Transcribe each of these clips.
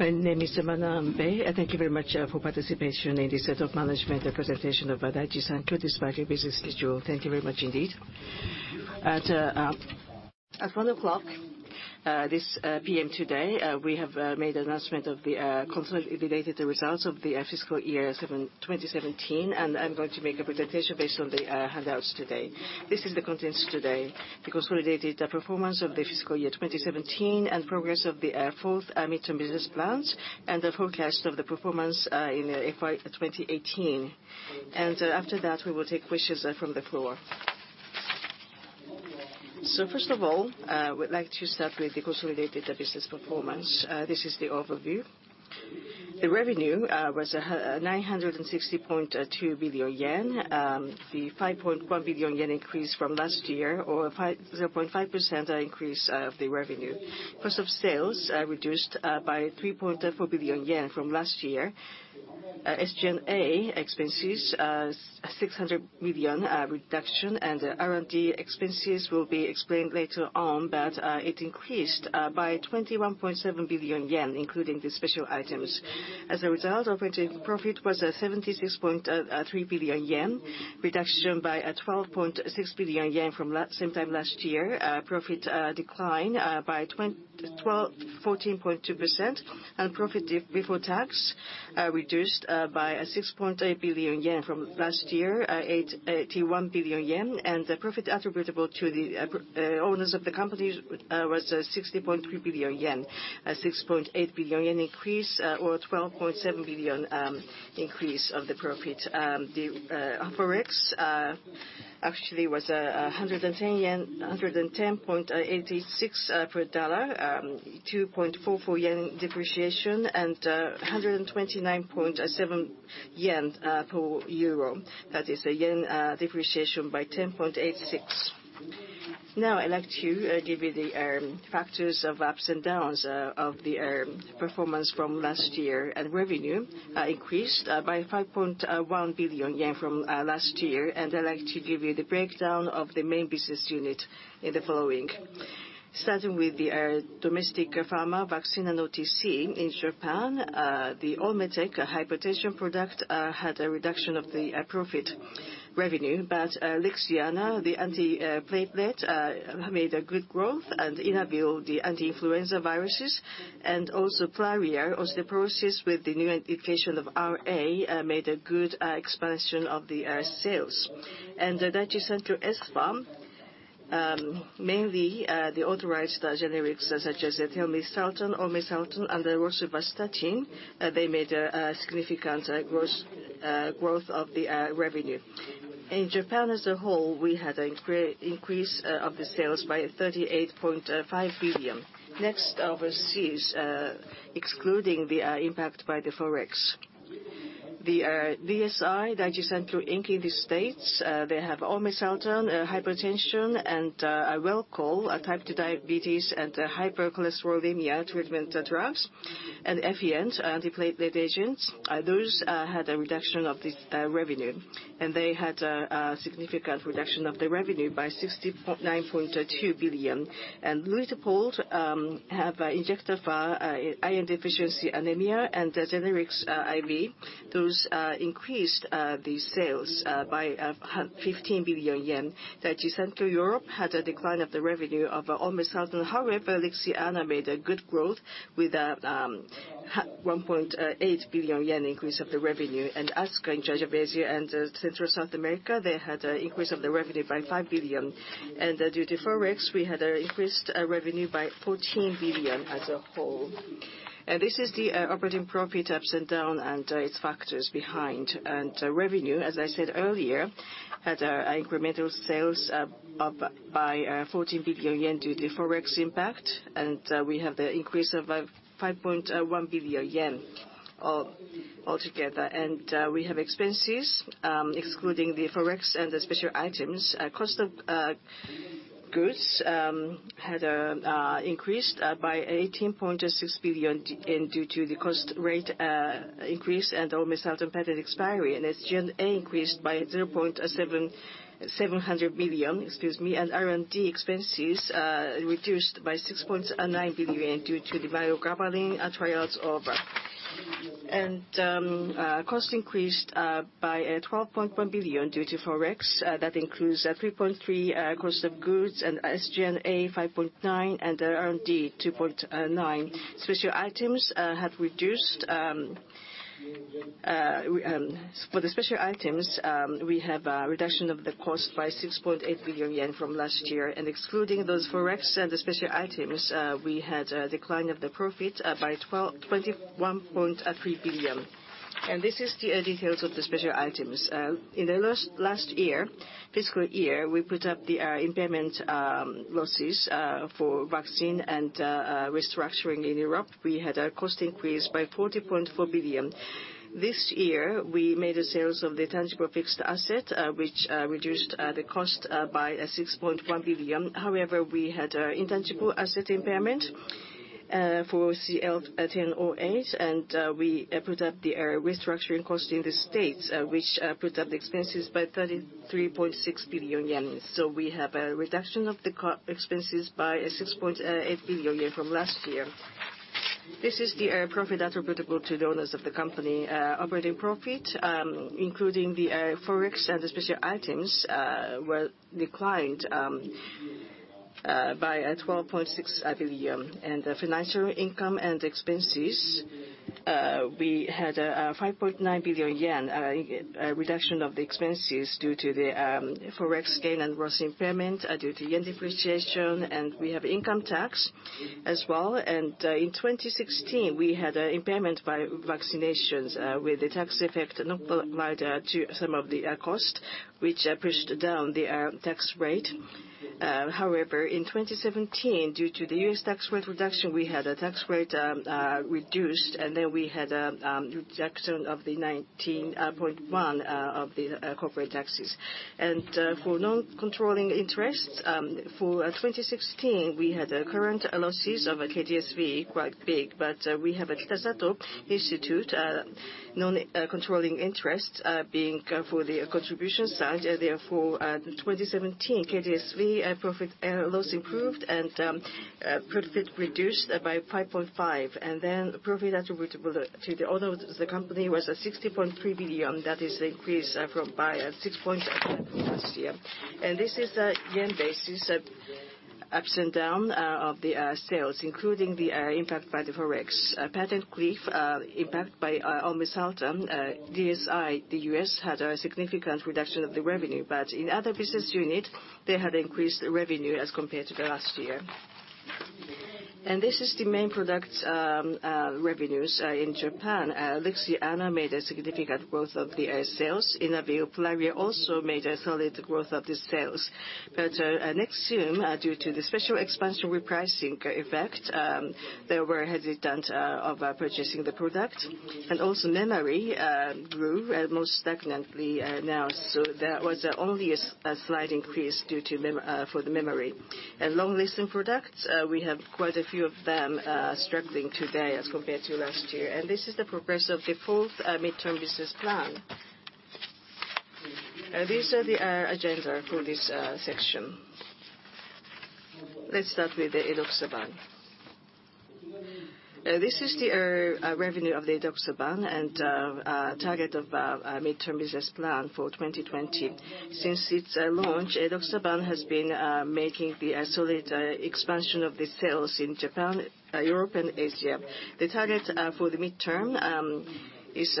My name is Sunao Manabe. Thank you very much for participation in this set of management presentation of Daiichi Sankyo's biopharma business schedule. Thank you very much indeed. At 1:00 P.M. today, we have made announcement of the consolidated results of the fiscal year 2017, and I am going to make a presentation based on the handouts today. This is the contents today. The consolidated performance of the fiscal year 2017 and progress of the fourth medium-term business plans, and the forecast of the performance in FY 2018. After that, we will take questions from the floor. First of all, I would like to start with the consolidated business performance. This is the overview. The revenue was 960.2 billion yen. The 5.1 billion yen increase from last year, or 0.5% increase of the revenue. Cost of sales reduced by 3.4 billion yen from last year. SG&A expenses, 600 million reduction, and R&D expenses will be explained later on. But it increased by 21.7 billion yen, including the special items. As a result, operating profit was at 76.3 billion yen, reduction by 12.6 billion yen from same time last year. Profit decline by 14.2%, and profit before tax reduced by 6.8 billion yen from last year, 81 billion yen. The profit attributable to the owners of the company was 60.3 billion yen, a 6.8 billion yen increase or a 12.7 billion increase of the profit. The Forex actually was 110.86 yen per dollar, 2.44 yen depreciation, and 129.7 yen per euro. That is a yen depreciation by 10.86. Now I'd like to give you the factors of ups and downs of the performance from last year. Revenue increased by 5.1 billion yen from last year. I'd like to give you the breakdown of the main business unit in the following. Starting with the domestic pharma, vaccine, and OTC in Japan. The Olmetec hypertension product had a reduction of the profit revenue. But Lixiana, the antiplatelet, made a good growth, and Inavir, the anti-influenza viruses. Also, PRALIA, osteoporosis with the new indication of RA, made a good expansion of the sales. The Daiichi Sankyo Espha, mainly the authorized generics such as azacitidine, olmesartan, and rosuvastatin, they made a significant growth of the revenue. In Japan as a whole, we had an increase of the sales by 38.5 billion. Next, overseas, excluding the impact by the Forex. The DSI, Daiichi Sankyo, Inc. in the U.S., they have olmesartan, hypertension, and Welchol, type 2 diabetes and hypercholesterolemia treatment drugs, and Effient, antiplatelet agents. Those had a reduction of the revenue, and they had a significant reduction of the revenue by 69.2 billion. Injectafer injectable iron deficiency anemia and generics IV. Those increased the sales by 15 billion yen. Daiichi Sankyo Europe had a decline of the revenue of olmesartan. However, Lixiana made a good growth with a 1.8 billion yen increase of the revenue. ASCA in Asia and Central South America, they had an increase of the revenue by 5 billion. Due to Forex, we had an increased revenue by 14 billion as a whole. This is the operating profit ups and down and its factors behind. Revenue, as I said earlier, had incremental sales up by 14 billion yen due to Forex impact, and we have the increase of 5.1 billion yen all together. We have expenses, excluding the Forex and the special items. Cost of goods had increased by 18.6 billion due to the cost rate increase and Olmetec patent expiry. SG&A increased by 0.7 billion, excuse me. R&D expenses reduced by 6.9 billion due to the mirogabalin trials over. Cost increased by 12.1 billion due to Forex. That includes 3.3 billion cost of goods and SG&A, 5.9 billion, and R&D, 2.9 billion. Special items have reduced. For the special items, we have a reduction of the cost by 6.8 billion yen from last year. Excluding those Forex and the special items, we had a decline of the profit by 21.3 billion. This is the details of the special items. In the last fiscal year, we put up the impairment losses for vaccine and restructuring in Europe. We had a cost increase by 40.4 billion. This year, we made sales of the tangible fixed asset, which reduced the cost by 6.1 billion. However, we had intangible asset impairment for CL-108, and we put up the restructuring cost in the U.S., which put up the expenses by 33.6 billion yen. We have a reduction of the expenses by 6.8 billion yen from last year. This is the profit attributable to the owners of the company. Operating profit, including the Forex and the special items, were declined by 12.6 billion. Financial income and expenses, we had a 5.9 billion yen reduction of the expenses due to the Forex gain and loss impairment due to yen depreciation, and we have income tax as well. In 2016, we had an impairment by vaccinations, with the tax effect not applied to some of the cost, which pushed down the tax rate. However, in 2017, due to the U.S. tax rate reduction, we had a tax rate reduced, and then we had a reduction of the 19.1% of the corporate taxes. For non-controlling interest, for 2016, we had current losses of KDSV quite big, but we have Kitasato Institute non-controlling interest being for the contribution side. Therefore, 2017, KDSV profit and loss improved and profit reduced by 5.5 billion. Profit attributable to the owners of the company was 60.3 billion. That is increased from by 6.8 billion last year. This is the yen basis ups and down of the sales, including the impact by the Forex. Patent cliff impact by Olmetec, DSI, the U.S., had a significant reduction of the revenue. In other business unit, they had increased revenue as compared to the last year. This is the main product revenues in Japan. Lixiana made a significant growth of the sales. Inavir also made a solid growth of the sales. Nexium, due to the special expansion repricing effect, they were hesitant of purchasing the product. Also Memary grew most stagnantly now. That was only a slight increase for the Memary. Long-lasting products, we have quite a few of them struggling today as compared to last year. This is the progress of the fourth midterm business plan. These are the agenda for this section. Let's start with the edoxaban. This is the revenue of the edoxaban and target of our midterm business plan for 2020. Since its launch, edoxaban has been making the solid expansion of the sales in Japan, Europe, and Asia. The target for the midterm is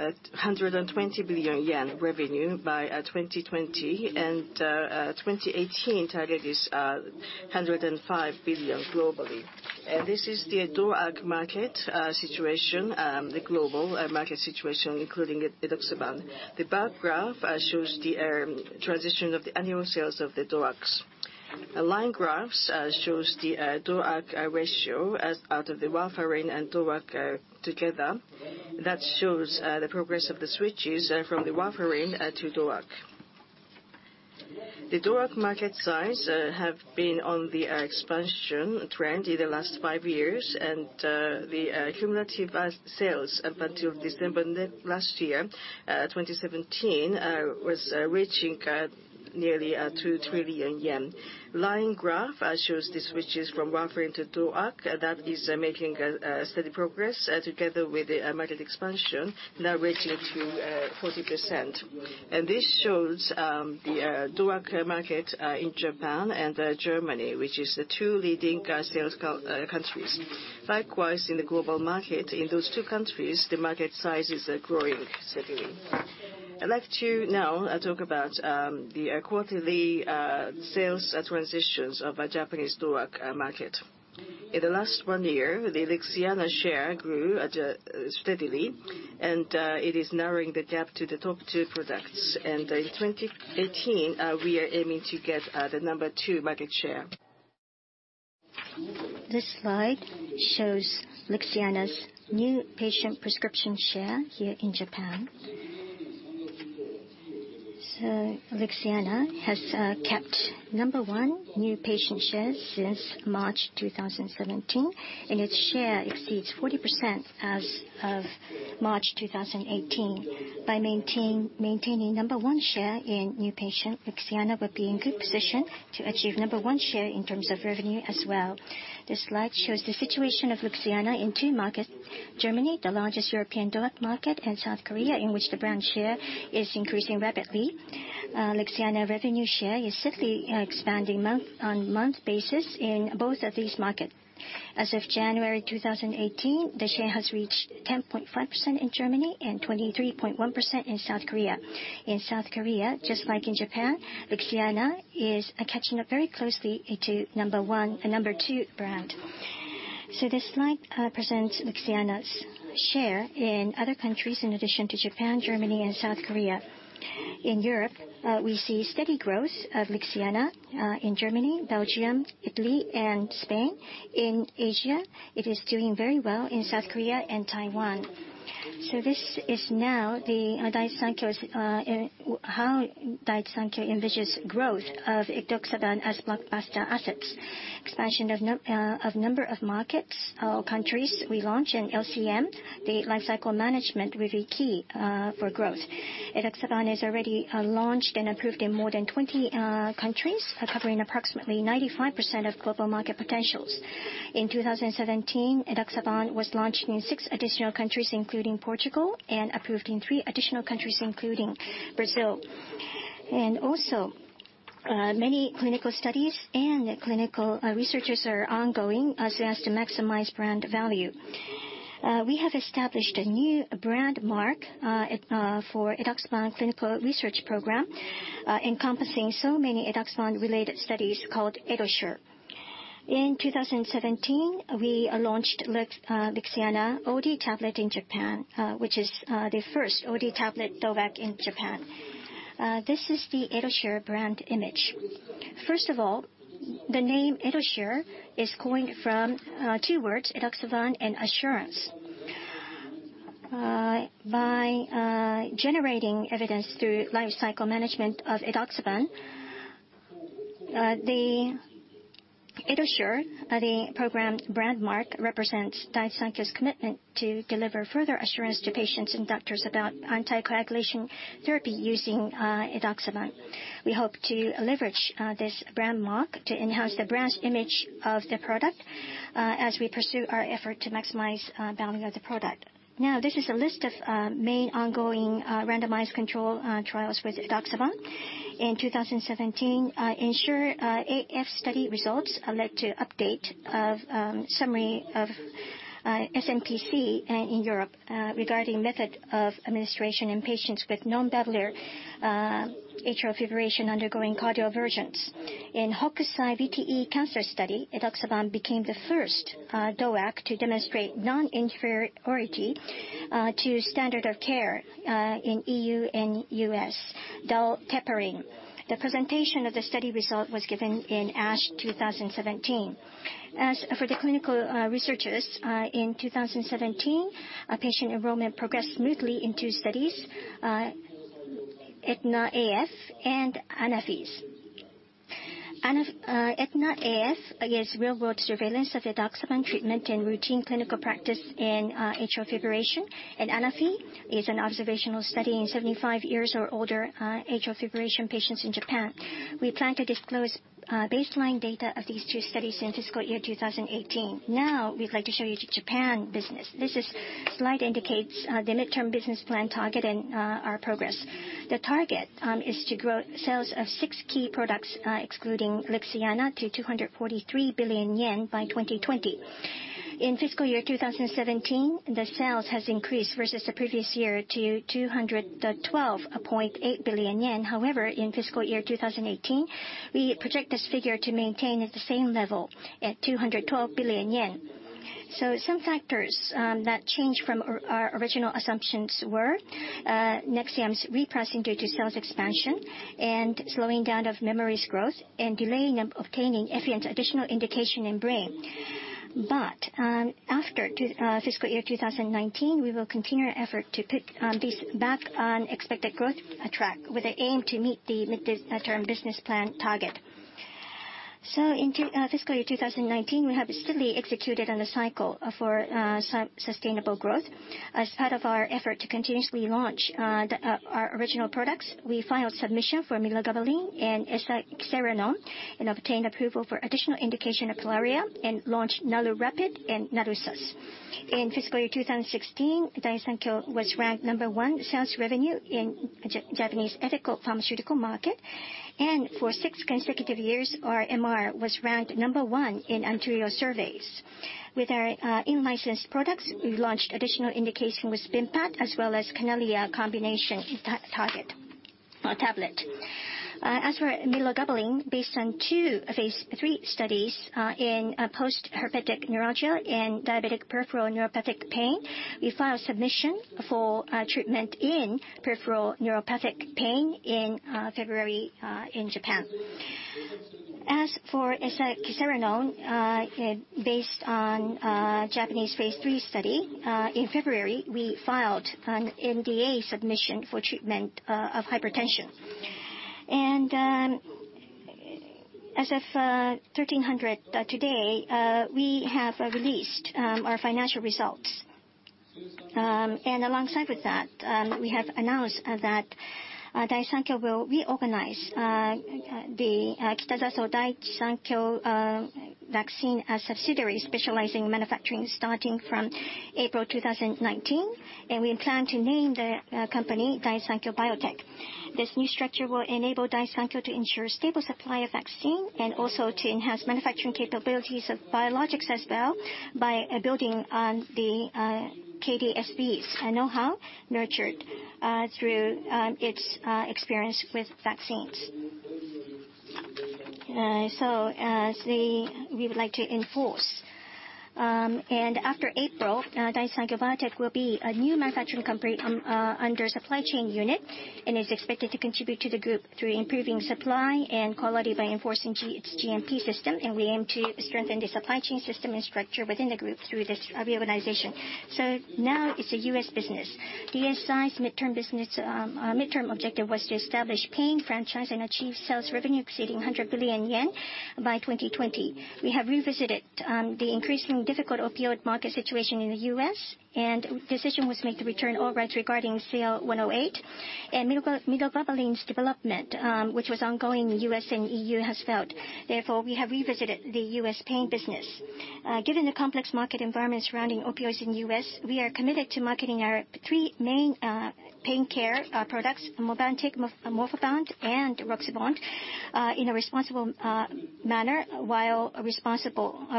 a 120 billion yen revenue by 2020, and 2018 target is 105 billion globally. This is the DOAC market situation, the global market situation, including edoxaban. The bar graph shows the transition of the annual sales of the DOACs. The line graph shows the DOAC ratio out of the warfarin and DOAC together. That shows the progress of the switches from the warfarin to DOAC. The DOAC market size has been on the expansion trend in the last five years, and the cumulative sales up until December 2017 was reaching nearly 2 trillion yen. Line graph shows the switches from warfarin to DOAC. That is making steady progress together with the market expansion, now reaching 40%. This shows the DOAC market in Japan and Germany, which is the two leading sales countries. Likewise, in the global market, in those two countries, the market size is growing steadily. I'd like to now talk about the quarterly sales transitions of our Japanese DOAC market. In the last one year, the Lixiana share grew steadily, and it is narrowing the gap to the top two products. In 2018, we are aiming to get the number 2 market share. This slide shows Lixiana's new patient prescription share here in Japan. Lixiana has kept number one new patient shares since March 2017, and its share exceeds 40% as of March 2018. By maintaining number one share in new patient, Lixiana will be in good position to achieve number one share in terms of revenue as well. This slide shows the situation of Lixiana in two markets, Germany, the largest European DOAC market, and South Korea, in which the brand share is increasing rapidly. Lixiana revenue share is simply expanding month-on-month basis in both of these markets. As of January 2018, the share has reached 10.5% in Germany and 23.1% in South Korea. In South Korea, just like in Japan, Lixiana is catching up very closely to number 2 brand. This slide presents Lixiana's share in other countries, in addition to Japan, Germany, and South Korea. In Europe, we see steady growth of Lixiana in Germany, Belgium, Italy, and Spain. In Asia, it is doing very well in South Korea and Taiwan. This is now how Daiichi Sankyo envisages growth of edoxaban as blockbuster assets. Expansion of number of markets or countries we launch in LCM, the life cycle management, will be key for growth. Edoxaban is already launched and approved in more than 20 countries, covering approximately 95% of global market potentials. In 2017, edoxaban was launched in six additional countries, including Portugal, and approved in three additional countries, including Brazil. Many clinical studies and clinical researchers are ongoing as we seek to maximize brand value. We have established a new brand mark for edoxaban clinical research program, encompassing so many edoxaban-related studies called EDOSURE. In 2017, we launched LIXIANA OD tablets in Japan, which is the first OD tablet DOAC in Japan. This is the EDOSURE brand image. First of all, the name EDOSURE is coined from two words, edoxaban and assurance. By generating evidence through life cycle management of edoxaban, the EDOSURE, the program brand mark represents Daiichi Sankyo's commitment to deliver further assurance to patients and doctors about anticoagulation therapy using edoxaban. We hope to leverage this brand mark to enhance the brand's image of the product as we pursue our effort to maximize value of the product. This is a list of main ongoing randomized control trials with edoxaban. In 2017, ENSURE-AF study results led to update of summary of SmPC in Europe regarding method of administration in patients with non-valvular atrial fibrillation undergoing cardioversions. In Hokusai-VTE cancer study, edoxaban became the first DOAC to demonstrate non-inferiority to standard of care in EU and U.S., DOAC tapering. The presentation of the study result was given in ASH 2017. As for the clinical researchers, in 2017, patient enrollment progressed smoothly in two studies, ETNA-AF and ANAFEE. ETNA-AF is real-world surveillance of edoxaban treatment in routine clinical practice in atrial fibrillation, and ANAFEE is an observational study in 75 years or older atrial fibrillation patients in Japan. We plan to disclose baseline data of these two studies in fiscal year 2018. We'd like to show you the Japan business. This slide indicates the midterm business plan target and our progress. The target is to grow sales of six key products, excluding Lixiana, to 243 billion yen by 2020. In fiscal year 2017, the sales has increased versus the previous year to 212.8 billion yen. In fiscal year 2018, we project this figure to maintain at the same level at 212 billion yen. Some factors that changed from our original assumptions were Nexium's repricing due to sales expansion and slowing down of Memary's growth and delaying obtaining Effient's additional indication in brain. After fiscal year 2019, we will continue our effort to put this back on expected growth track with an aim to meet the midterm business plan target. In fiscal year 2019, we have steadily executed on the cycle for sustainable growth. As part of our effort to continuously launch our original products, we filed submission for mirogabalin and esaxerenone and obtained approval for additional indication of PRALIA and launched Narurapid and NARUSAS. In fiscal year 2016, Daiichi Sankyo was ranked number 1 sales revenue in Japanese ethical pharmaceutical market, and for 6 consecutive years, our MR was ranked number 1 in INTAGE surveys. With our in-licensed products, we launched additional indication with TENELIA as well as CANALIA combination Tablet. As for mirogabalin, based on two phase III studies in post-herpetic neuralgia and diabetic peripheral neuropathic pain, we filed submission for treatment in peripheral neuropathic pain in February in Japan. As for esaxerenone, based on Japanese phase III study, in February, we filed an NDA submission for treatment of hypertension. As of 1:00 P.M. today, we have released our financial results. Alongside with that, we have announced that Daiichi Sankyo will reorganize the Kitasato Daiichi Sankyo Vaccine, a subsidiary specializing in manufacturing starting from April 2019, and we plan to name the company Daiichi Sankyo Biotech. This new structure will enable Daiichi Sankyo to ensure stable supply of vaccine and also to enhance manufacturing capabilities of biologics as well by building on the KDSV's know-how nurtured through its experience with vaccines. We would like to enforce. After April, Daiichi Sankyo Biotech will be a new manufacturing company under supply chain unit and is expected to contribute to the group through improving supply and quality by enforcing its GMP system. We aim to strengthen the supply chain system and structure within the group through this reorganization. Now it's the U.S. business. DSI's midterm objective was to establish pain franchise and achieve sales revenue exceeding 100 billion yen by 2020. We have revisited the increasingly difficult opioid market situation in the U.S., and decision was made to return all rights regarding CL-108 and migalastat's development, which was ongoing in U.S. and EU, has failed. We have revisited the U.S. pain business. Given the complex market environment surrounding opioids in the U.S., we are committed to marketing our three main pain care products, MOVANTIK, MORPHABOND, and RoxyBond, in a responsible manner while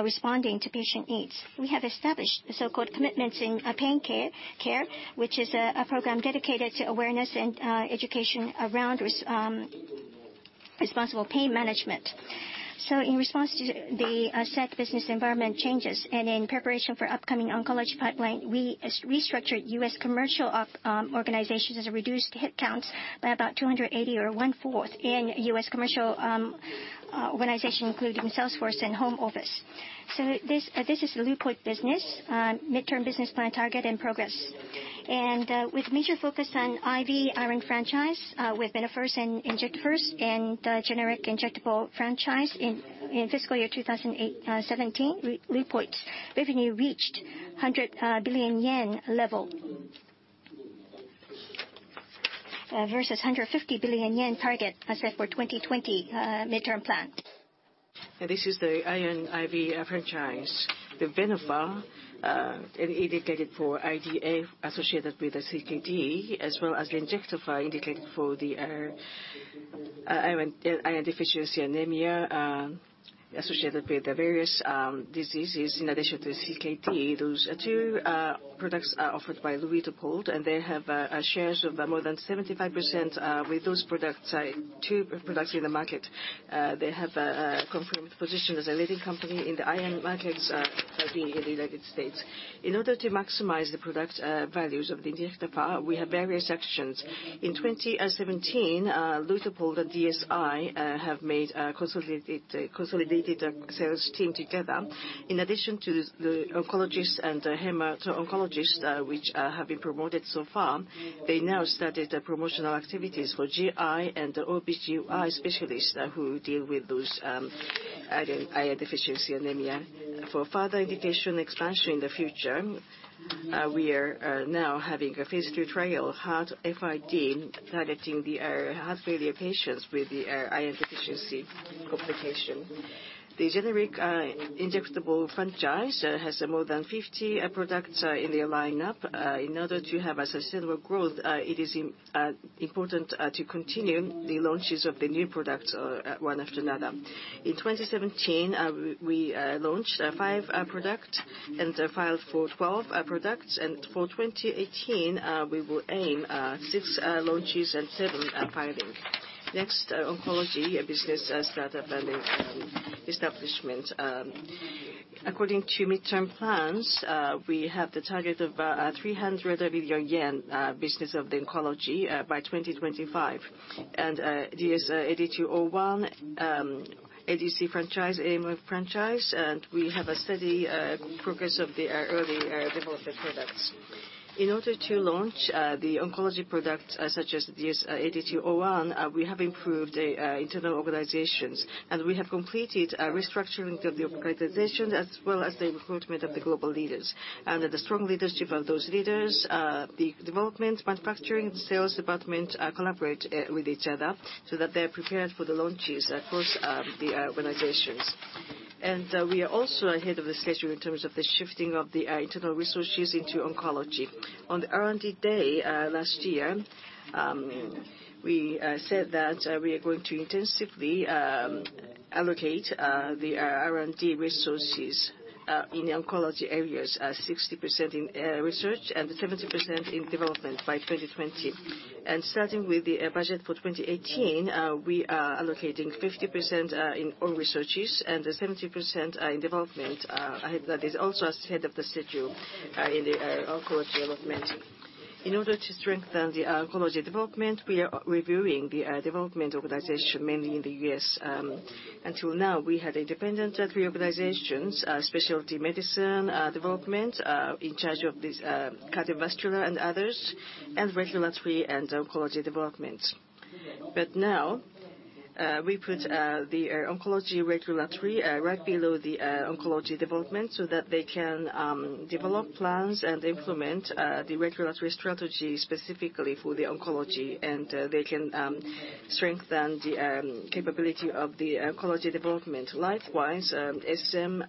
responding to patient needs. We have established the so-called Commitments in Pain Care, which is a program dedicated to awareness and education around responsible pain management. In response to the set business environment changes, and in preparation for upcoming oncology pipeline, we restructured U.S. commercial organizations as a reduced headcounts by about 280, or one-fourth, in U.S. commercial organization, including sales force and home office. This is the Luitpold business midterm business plan target and progress. With major focus on IV iron franchise with Venofer and Injectafer, and generic injectable franchise in fiscal year 2017, Luitpold's revenue reached 100 billion yen level versus 150 billion yen target set for 2020 midterm plan. This is the iron IV franchise. The Venofer, indicated for IDA associated with the CKD, as well as the Injectafer indicated for the iron deficiency anemia associated with various diseases in addition to CKD. Those two products are offered by Luitpold, and they have shares of more than 75% with those products, two products in the market. They have a confirmed position as a leading company in the iron markets in the United States. In order to maximize the product values of the Injectafer, we have various actions. In 2017, Luitpold DSI have made a consolidated sales team together. In addition to the oncologists and hemato-oncologists, which have been promoted so far, they now started the promotional activities for GI and the OB/GYN specialist who deal with those iron deficiency anemia. For further indication expansion in the future, we are now having a phase II trial, HEART-FID, targeting the heart failure patients with the iron deficiency complication. The generic injectable franchise has more than 50 products in their lineup. In order to have a sustainable growth, it is important to continue the launches of the new products one after another. In 2017, we launched five products and filed for 12 products. For 2018, we will aim six launches and seven filing. Oncology business startup planning establishment. According to midterm plans, we have the target of 300 million yen business of the oncology by 2025, and DS-8201 ADC franchise, AML franchise, and we have a steady progress of the early development products. In order to launch the oncology products such as DS-8201, we have improved internal organizations, and we have completed restructuring of the organization as well as the recruitment of the global leaders. Under the strong leadership of those leaders, the development, manufacturing, and sales department collaborate with each other so that they are prepared for the launches across the organizations. We are also ahead of the schedule in terms of the shifting of the internal resources into oncology. On the R&D Day last year, we said that we are going to intensively allocate the R&D resources in oncology areas at 60% in research and 70% in development by 2020. Starting with the budget for 2018, we are allocating 50% in all researches and 70% in development. That is also ahead of the schedule in the oncology development. In order to strengthen the oncology development, we are reviewing the development organization, mainly in the U.S. Until now, we had independent organizations, specialty medicine development in charge of this cardiovascular and others, and regulatory and oncology development. We put the oncology regulatory right below the oncology development so that they can develop plans and implement the regulatory strategy specifically for the oncology, and they can strengthen the capability of the oncology development. Likewise, SM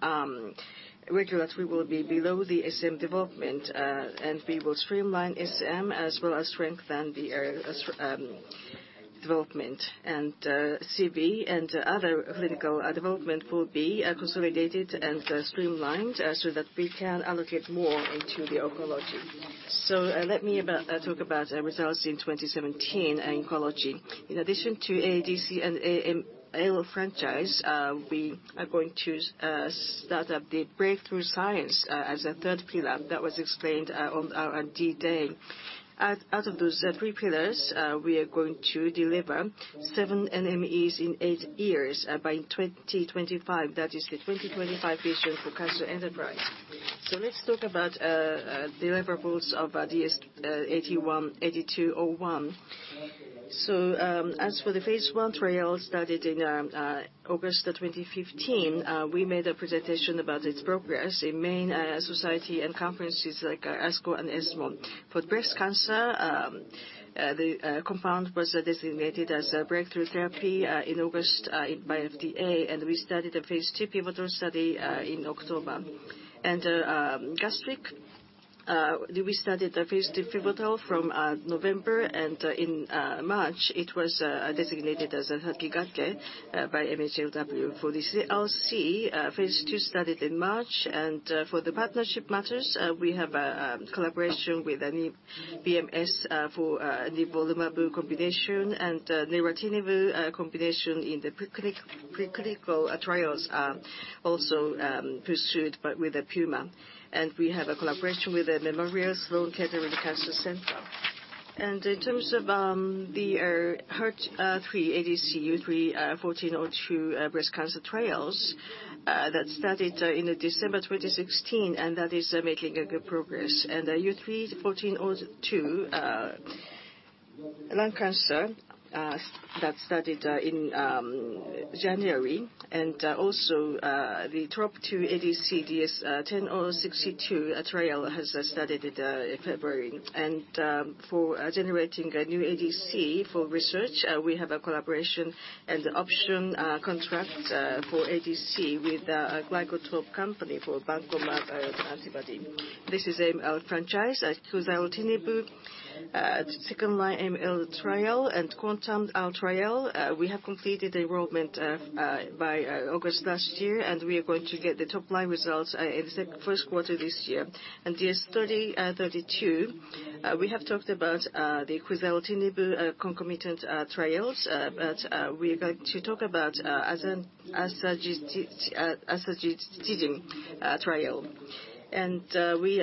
regulatory will be below the SM development, and we will streamline SM as well as strengthen the development. CV and other clinical development will be consolidated and streamlined so that we can allocate more into the oncology. Let me talk about results in 2017 oncology. In addition to ADC and AML franchise, we are going to start up the breakthrough science as a third pillar. That was explained on R&D Day. Out of those three pillars, we are going to deliver seven NMEs in eight years by 2025. That is the 2025 vision for Cancer Enterprise. Let's talk about deliverables of DS-8201. As for the phase I trial started in August 2015, we made a presentation about its progress in main society and conferences like ASCO and ESMO. For breast cancer, the compound was designated as a breakthrough therapy in August by FDA, and we started a phase II pivotal study in October. Gastric. We started the phase II pivotal from November, and in March, it was designated as a first category by MHLW. For the NSCLC phase II study in March, and for the partnership matters, we have a collaboration with BMS for nivolumab combination and niraparib combination in the preclinical trials, also pursued, but with Puma. We have a collaboration with the Memorial Sloan Kettering Cancer Center. In terms of the HER3 ADC, U3-1402 breast cancer trials, that started in December 2016, and that is making good progress. U3-1402 lung cancer that started in January, also the TROP2 ADC DS-1062 trial has started in February. For generating a new ADC for research, we have a collaboration and option contract for ADC with Glycotope company for PankoMab antibody. This is AML franchise, quizartinib second-line AML trial, QuANTUM-First. We have completed enrollment by August last year, and we are going to get the top-line results in the first quarter of this year. DS-3032, we have talked about the quizartinib concomitant trials, but we are going to talk about azacitidine trial. We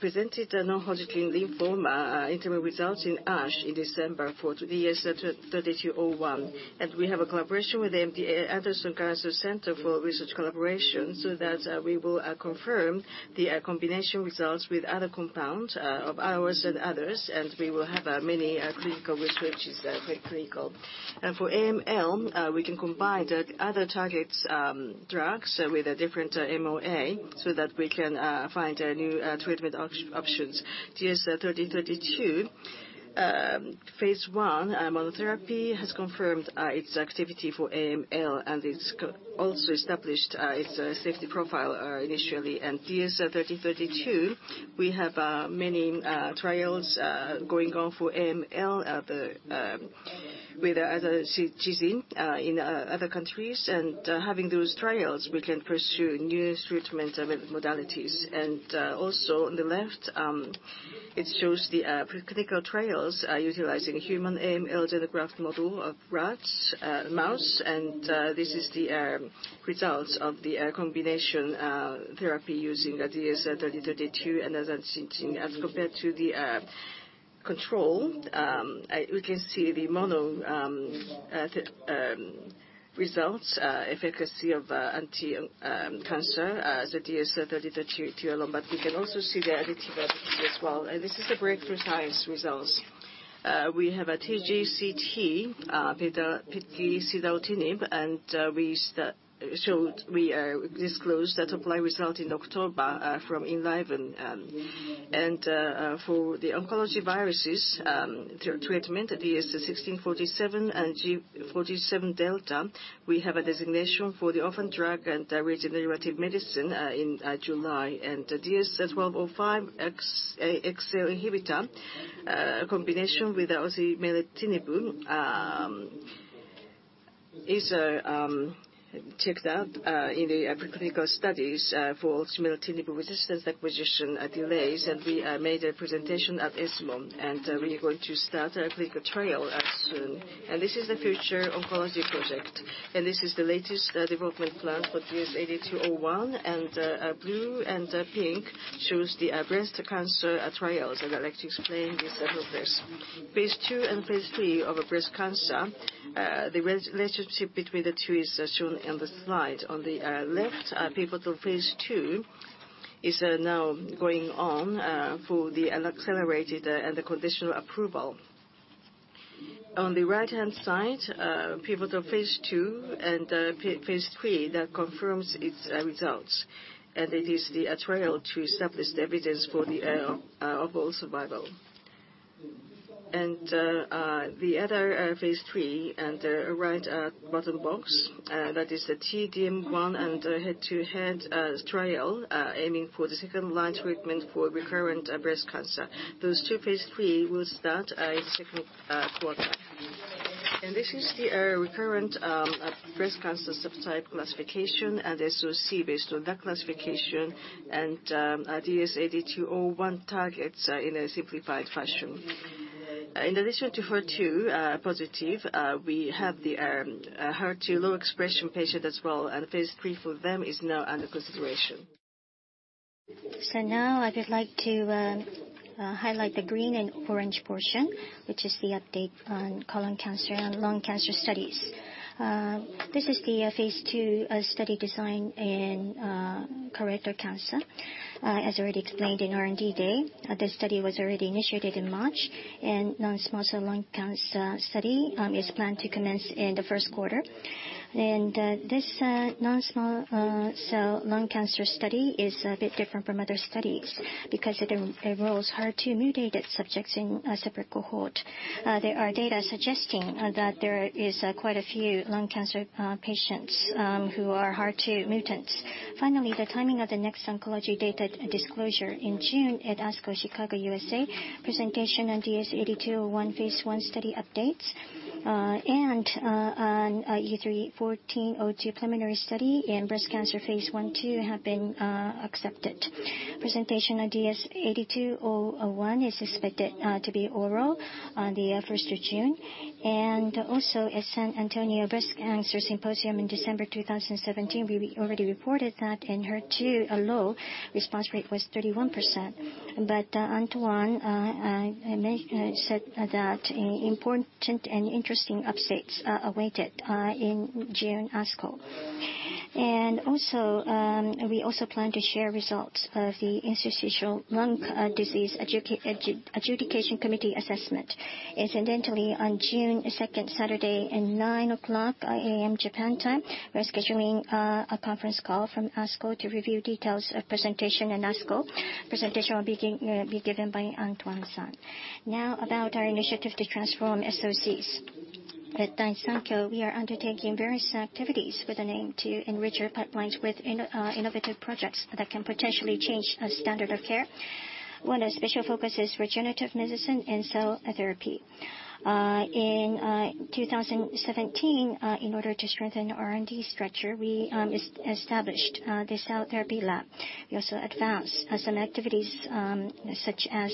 presented non-Hodgkin lymphoma interim results in ASH in December for DS-3201. We have a collaboration with MD Anderson Cancer Center for research collaboration, so that we will confirm the combination results with other compounds of ours and others, and we will have many clinical research is preclinical. For AML, we can combine the other targets drugs with a different MOA so that we can find new treatment options. DS-3032 phase I monotherapy has confirmed its activity for AML, and it's also established its safety profile initially. DS-3032, we have many trials going on for AML with azacitidine in other countries. Having those trials, we can pursue new treatment modalities. Also, on the left, it shows the preclinical trials utilizing human AML xenograft model of rats, mouse, and this is the results of the combination therapy using DS-3032 and azacitidine. As compared to the control, we can see the mono results, efficacy of anti-cancer, the DS-3032 alone, but we can also see the additive effect as well. This is a breakthrough science results. We have a TGCT with the quizartinib, and we disclosed that apply result in October from Enliven. For the oncology viruses treatment, DS-1647 and G47Δ, we have a designation for the orphan drug and regenerative medicine in July. DS-1205 AXL inhibitor combination with osimertinib is checked out in the preclinical studies for osimertinib resistance acquisition delays, and we made a presentation at ESMO. We are going to start a clinical trial soon. This is the future oncology project. This is the latest development plan for DS-8201, and blue and pink shows the breast cancer trials. I'd like to explain this a little bit. Phase II and phase III of a breast cancer, the relationship between the two is shown in the slide. On the left, pivotal phase II is now going on for the accelerated and the conditional approval. On the right-hand side, pivotal phase II and phase III that confirms its results. It is the trial to establish the evidence for the overall survival. The other phase III at the right bottom box, that is the T-DM1 and head-to-head trial aiming for the second-line treatment for recurrent breast cancer. Those two phase III will start in second quarter. This is the recurrent breast cancer subtype classification and SoC based on that classification, and DS-8201 targets in a simplified fashion. In addition to HER2 positive, we have the HER2-low expression patient as well, and phase III for them is now under consideration. Now I would like to highlight the green and orange portion, which is the update on colon cancer and lung cancer studies. This is the phase II study design in colorectal cancer. As already explained in R&D Day, this study was already initiated in March, and non-small cell lung cancer study is planned to commence in the first quarter. This non-small cell lung cancer study is a bit different from other studies because it enrolls HER2-mutated subjects in a separate cohort. There are data suggesting that there is quite a few lung cancer patients who are HER2 mutants. The timing of the next oncology data disclosure in June at ASCO Chicago, USA, presentation on DS-8201 phase I study updates, and on U3-1402 preliminary study in breast cancer phase I/II have been accepted. Presentation on DS-8201 is expected to be oral on the 1st of June. Also, at San Antonio Breast Cancer Symposium in December 2017, we already reported that in HER2 low, response rate was 31%. Antoine said that important and interesting updates are awaited in June ASCO. We also plan to share results of the interstitial lung disease adjudication committee assessment. Incidentally, on June 2nd, Saturday at 9:00 A.M. Japan time, we are scheduling a conference call from ASCO to review details of presentation in ASCO. Presentation will be given by Antoine-san. About our initiative to transform SOCs. At Daiichi Sankyo, we are undertaking various activities with an aim to enrich our pipelines with innovative projects that can potentially change the standard of care. One of special focus is regenerative medicine and cell therapy. In 2017, in order to strengthen R&D structure, we established the cell therapy lab. We also advanced some activities, such as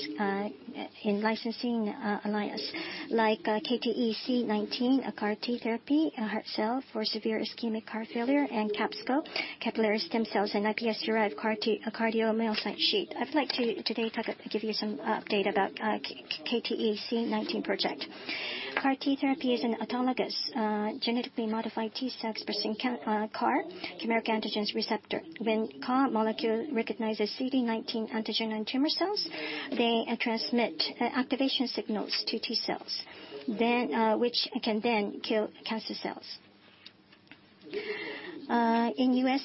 in licensing alliance, like KTE-C19, a CAR T therapy, a HER2 cell for severe ischemic heart failure, and CapSCs, capillary stem cells, and iPS-derived cardiomyocytes sheet. I would like to today give you some update about KTE-C19 project. CAR T therapy is an autologous, genetically modified T cells expressing CAR, chimeric antigen receptor. When CAR molecule recognizes CD19 antigen on tumor cells, they transmit activation signals to T cells, which can then kill cancer cells. In the U.S.,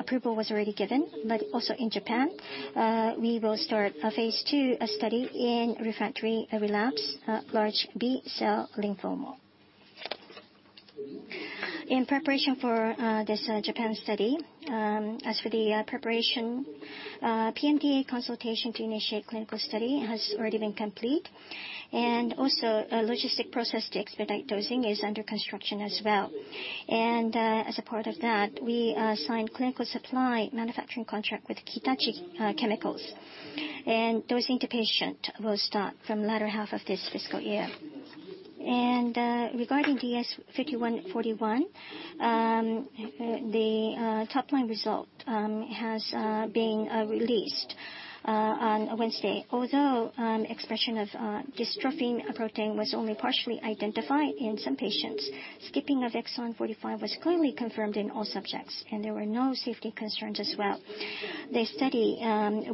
approval was already given, but also in Japan, we will start a phase II study in refractory relapse, large B-cell lymphoma. In preparation for this Japan study, PMDA consultation to initiate clinical study has already been complete, and also a logistic process to expedite dosing is under construction as well. As a part of that, we signed clinical supply manufacturing contract with Hitachi Chemical. Dosing to patient will start from the latter half of this fiscal year. Regarding DS-5141, the top-line result has been released on Wednesday. Although expression of dystrophin protein was only partially identified in some patients, skipping of exon 45 was clearly confirmed in all subjects, and there were no safety concerns as well. The study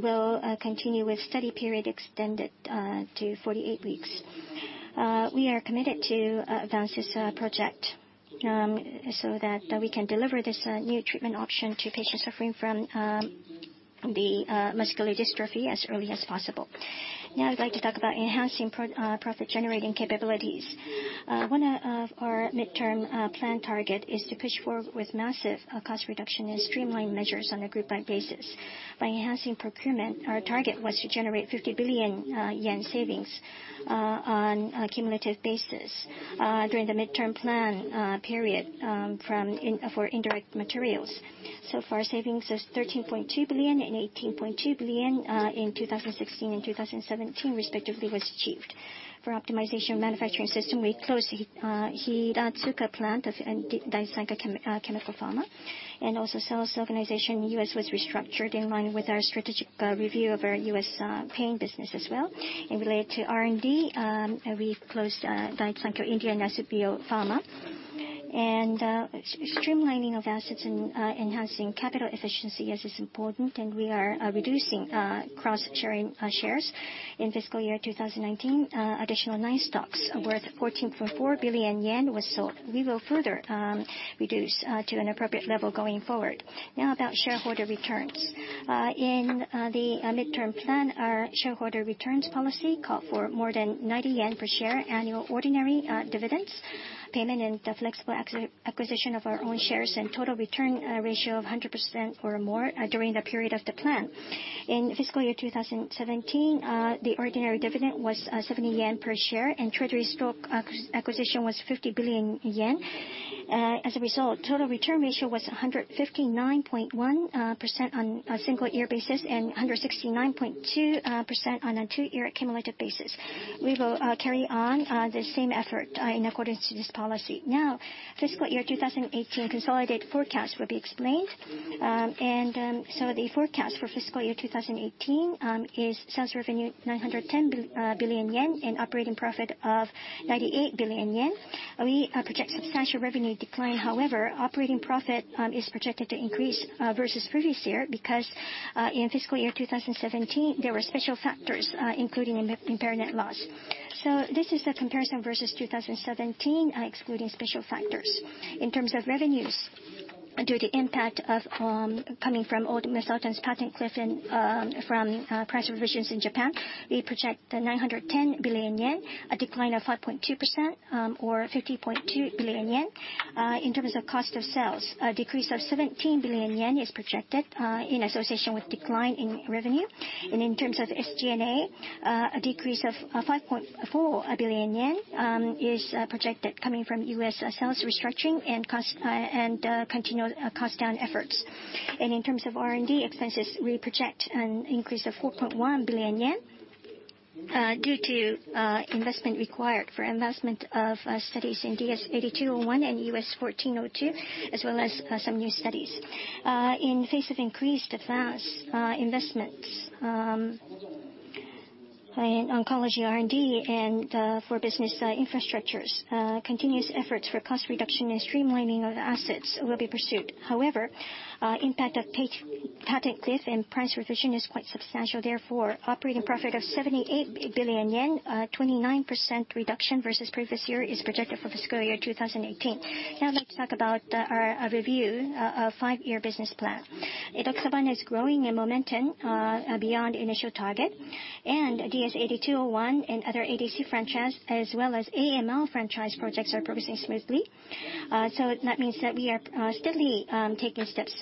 will continue with study period extended to 48 weeks. We are committed to advance this project so that we can deliver this new treatment option to patients suffering from the muscular dystrophy as early as possible. I would like to talk about enhancing profit-generating capabilities. One of our midterm plan target is to push forward with massive cost reduction and streamline measures on a groupwide basis. By enhancing procurement, our target was to generate 50 billion yen savings on a cumulative basis during the midterm plan period for indirect materials. So far, savings is 13.2 billion and 18.2 billion in 2016 and 2017, respectively, was achieved. For optimization of manufacturing system, we closed Hiratsuka plant of Daiichi Sankyo Chemical Pharma, also sales organization U.S. was restructured in line with our strategic review of our U.S. pain business as well. In related to R&D, we've closed Daiichi Sankyo India and Asubio Pharma. Streamlining of assets and enhancing capital efficiency is important, and we are reducing cross-sharing shares. In fiscal year 2019, additional nine stocks worth 14.4 billion yen was sold. We will further reduce to an appropriate level going forward. Now about shareholder returns. In the midterm plan, our shareholder returns policy called for more than 90 yen per share annual ordinary dividends payment, and the flexible acquisition of our own shares, and total return ratio of 100% or more during the period of the plan. In fiscal year 2017, the ordinary dividend was 70 yen per share, and treasury stock acquisition was 50 billion yen. As a result, total return ratio was 159.1% on a single year basis and 169.2% on a two-year cumulative basis. We will carry on the same effort in accordance to this policy. Fiscal year 2018 consolidate forecast will be explained. The forecast for fiscal year 2018 is sales revenue 910 billion yen and operating profit of 98 billion yen. We project substantial revenue decline, however, operating profit is projected to increase versus previous year because in fiscal year 2017, there were special factors, including impairment loss. This is the comparison versus 2017, excluding special factors. In terms of revenues. Due to the impact coming from old medicines patent cliff and from price revisions in Japan, we project 910 billion yen, a decline of 5.2% or 50.2 billion yen. In terms of cost of sales, a decrease of 17 billion yen is projected in association with decline in revenue. In terms of SG&A, a decrease of 5.4 billion yen is projected coming from U.S. sales restructuring and continual cost-down efforts. In terms of R&D expenses, we project an increase of 4.1 billion yen due to investment required for investment of studies in DS-8201 and U3-1402, as well as some new studies. In face of increased advanced investments in oncology R&D and for business infrastructures, continuous efforts for cost reduction and streamlining of assets will be pursued. However, impact of patent cliff and price revision is quite substantial. Therefore, operating profit of 78 billion yen, a 29% reduction versus previous year is projected for fiscal year 2018. I'd like to talk about our review of five-year business plan. Edoxaban is growing in momentum beyond initial target, and DS-8201 and other ADC franchise, as well as AML franchise projects are progressing smoothly. That means that we are steadily taking steps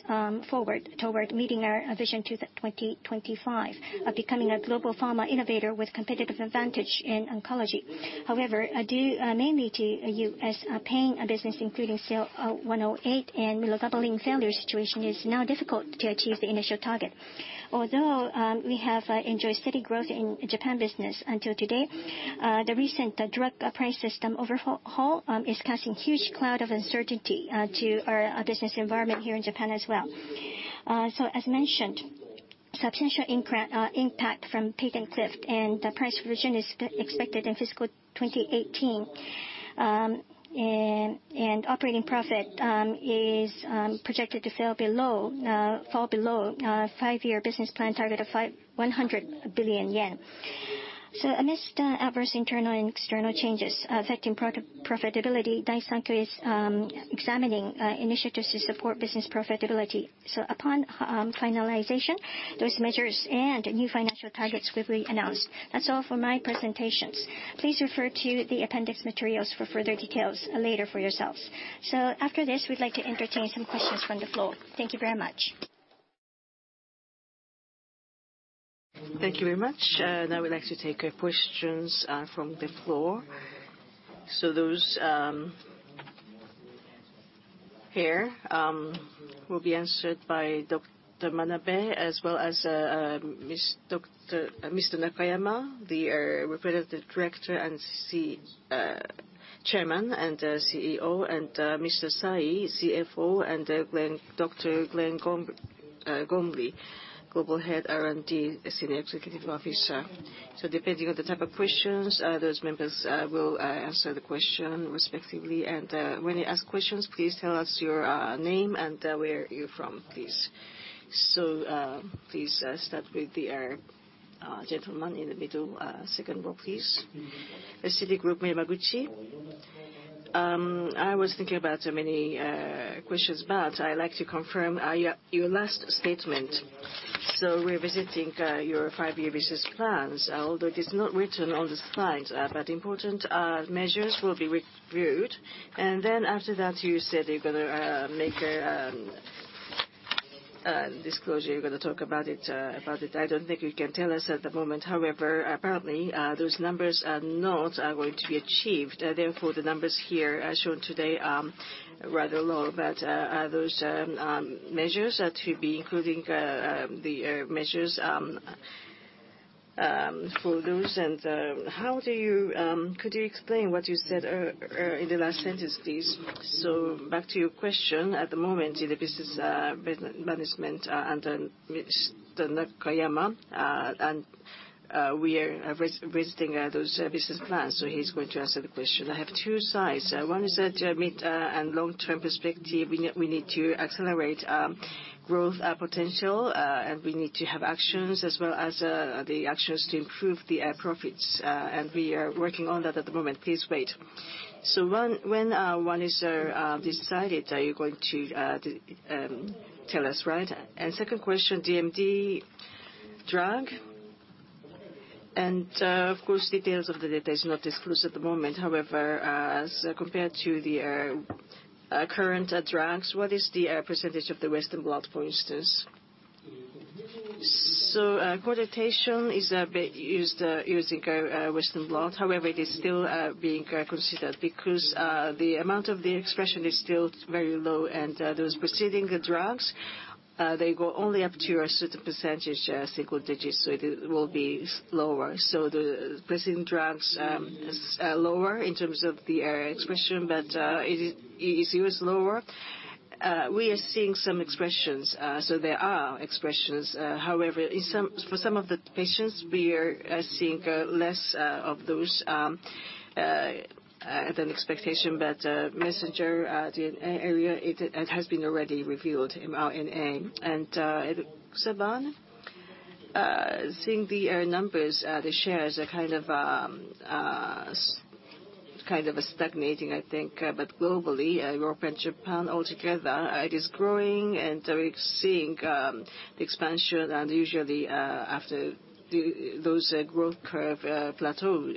forward toward meeting our vision to 2025, of becoming a global pharma innovator with competitive advantage in oncology. However, due mainly to U.S. pain business, including CL-108 and mirogabalin failure situation is now difficult to achieve the initial target. Although we have enjoyed steady growth in Japan business until today, the recent drug price system overhaul is causing huge cloud of uncertainty to our business environment here in Japan as well. As mentioned, substantial impact from patent cliff and the price revision is expected in fiscal 2018. Operating profit is projected to fall below five-year business plan target of 100 billion yen. Amidst adverse internal and external changes affecting profitability, Daiichi Sankyo is examining initiatives to support business profitability. Upon finalization, those measures and new financial targets will be announced. That's all for my presentations. Please refer to the appendix materials for further details later for yourselves. After this, we'd like to entertain some questions from the floor. Thank you very much. Thank you very much. Now we'd like to take questions from the floor. Those here will be answered by Dr. Manabe, as well as Mr. Nakayama, the Representative Director and Chairman and CEO, and Mr. Sai, CFO, and Dr. Glenn Gormley, Global Head R&D, Senior Executive Officer. Depending on the type of questions, those members will answer the question respectively. When you ask questions, please tell us your name and where you're from, please. Please start with the gentleman in the middle, second row, please. Citigroup, Yamaguchi. I was thinking about many questions, but I like to confirm your last statement. We're visiting your five-year business plans, although it is not written on the slides, but important measures will be reviewed. After that, you said you're going to make a disclosure, you're going to talk about it. I don't think you can tell us at the moment. However, apparently, those numbers are not going to be achieved. The numbers here shown today are rather low, but those measures are to be including the measures, for those. Could you explain what you said in the last sentence, please? Back to your question, at the moment, the business management and Mr. Nakayama, and we are visiting those business plans. He's going to answer the question. I have two sides. One is that mid and long-term perspective, we need to accelerate growth potential, we need to have actions as well as the actions to improve the profits. We are working on that at the moment. Please wait. When one is decided, are you going to tell us, right? Second question, DMD drug. Of course, details of the data is not disclosed at the moment. However, as compared to the current drugs, what is the percentage of the Western blot, for instance? Quantitation is using a Western blot. However, it is still being reconsidered, because the amount of the expression is still very low, and those preceding drugs, they go only up to a certain percentage, single digits, so it will be lower. The preceding drug is lower in terms of the expression, but is it seriously lower? We are seeing some expressions. They are expressions. However, for some of the patients, we are seeing less of those than expectation, but mainstream area, it has been already revealed in A. Edoxaban, seeing the numbers, the shares are kind of stagnating, I think, but globally, Europe and Japan altogether, it is growing and we're seeing the expansion usually after those growth curve plateaus.